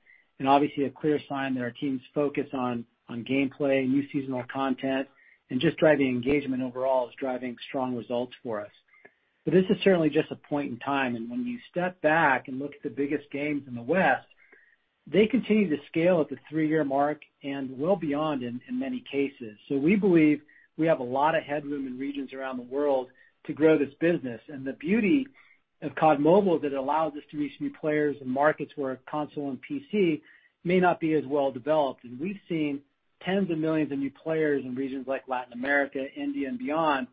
obviously a clear sign that our team's focus on gameplay, new seasonal content, and just driving engagement overall is driving strong results for us. This is certainly just a point in time, and when you step back and look at the biggest games in the West, they continue to scale at the 3-year mark and well beyond in many cases. We believe we have a lot of headroom in regions around the world to grow this business. The beauty of CoD Mobile is it allows us to reach new players and markets where console and PC may not be as well developed. We've seen tens of millions of new players in regions like Latin America, India, and beyond,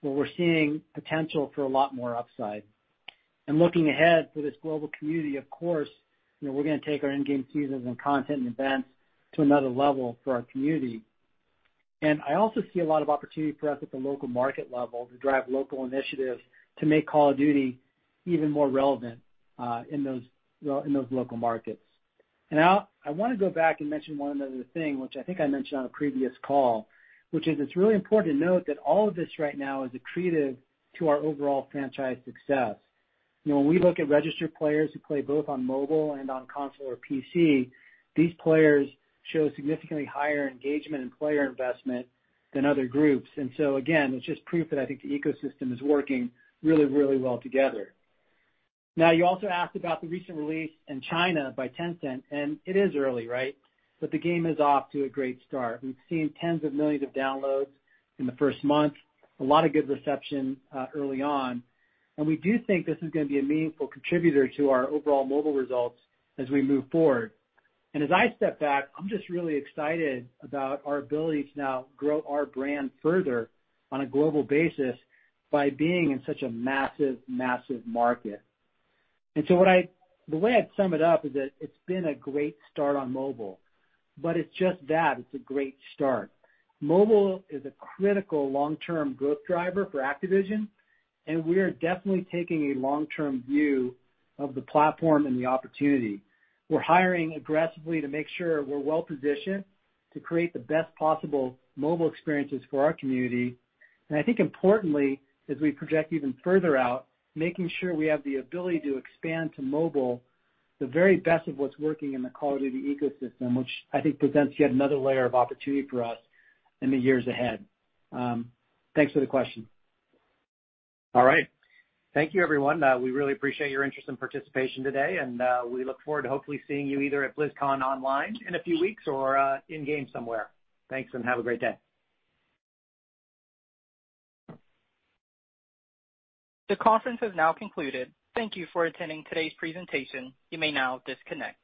where we're seeing potential for a lot more upside. Looking ahead for this global community, of course, we're going to take our in-game seasons and content and events to another level for our community. I also see a lot of opportunity for us at the local market level to drive local initiatives to make Call of Duty even more relevant in those local markets. I want to go back and mention one other thing, which I think I mentioned on a previous call, which is it's really important to note that all of this right now is accretive to our overall franchise success. When we look at registered players who play both on mobile and on console or PC, these players show significantly higher engagement and player investment than other groups. Again, it's just proof that I think the ecosystem is working really well together. You also asked about the recent release in China by Tencent, it is early, right? The game is off to a great start. We've seen tens of millions of downloads in the first month, a lot of good reception early on. We do think this is going to be a meaningful contributor to our overall mobile results as we move forward. As I step back, I'm just really excited about our ability to now grow our brand further on a global basis by being in such a massive market. The way I'd sum it up is that it's been a great start on mobile, but it's just that. It's a great start. Mobile is a critical long-term growth driver for Activision, and we are definitely taking a long-term view of the platform and the opportunity. We're hiring aggressively to make sure we're well positioned to create the best possible mobile experiences for our community. I think importantly, as we project even further out, making sure we have the ability to expand to mobile, the very best of what's working in the Call of Duty ecosystem, which I think presents yet another layer of opportunity for us in the years ahead. Thanks for the question. All right. Thank you, everyone. We really appreciate your interest and participation today. We look forward to hopefully seeing you either at BlizzConline in a few weeks or in-game somewhere. Thanks. Have a great day. The conference has now concluded. Thank you for attending today's presentation. You may now disconnect.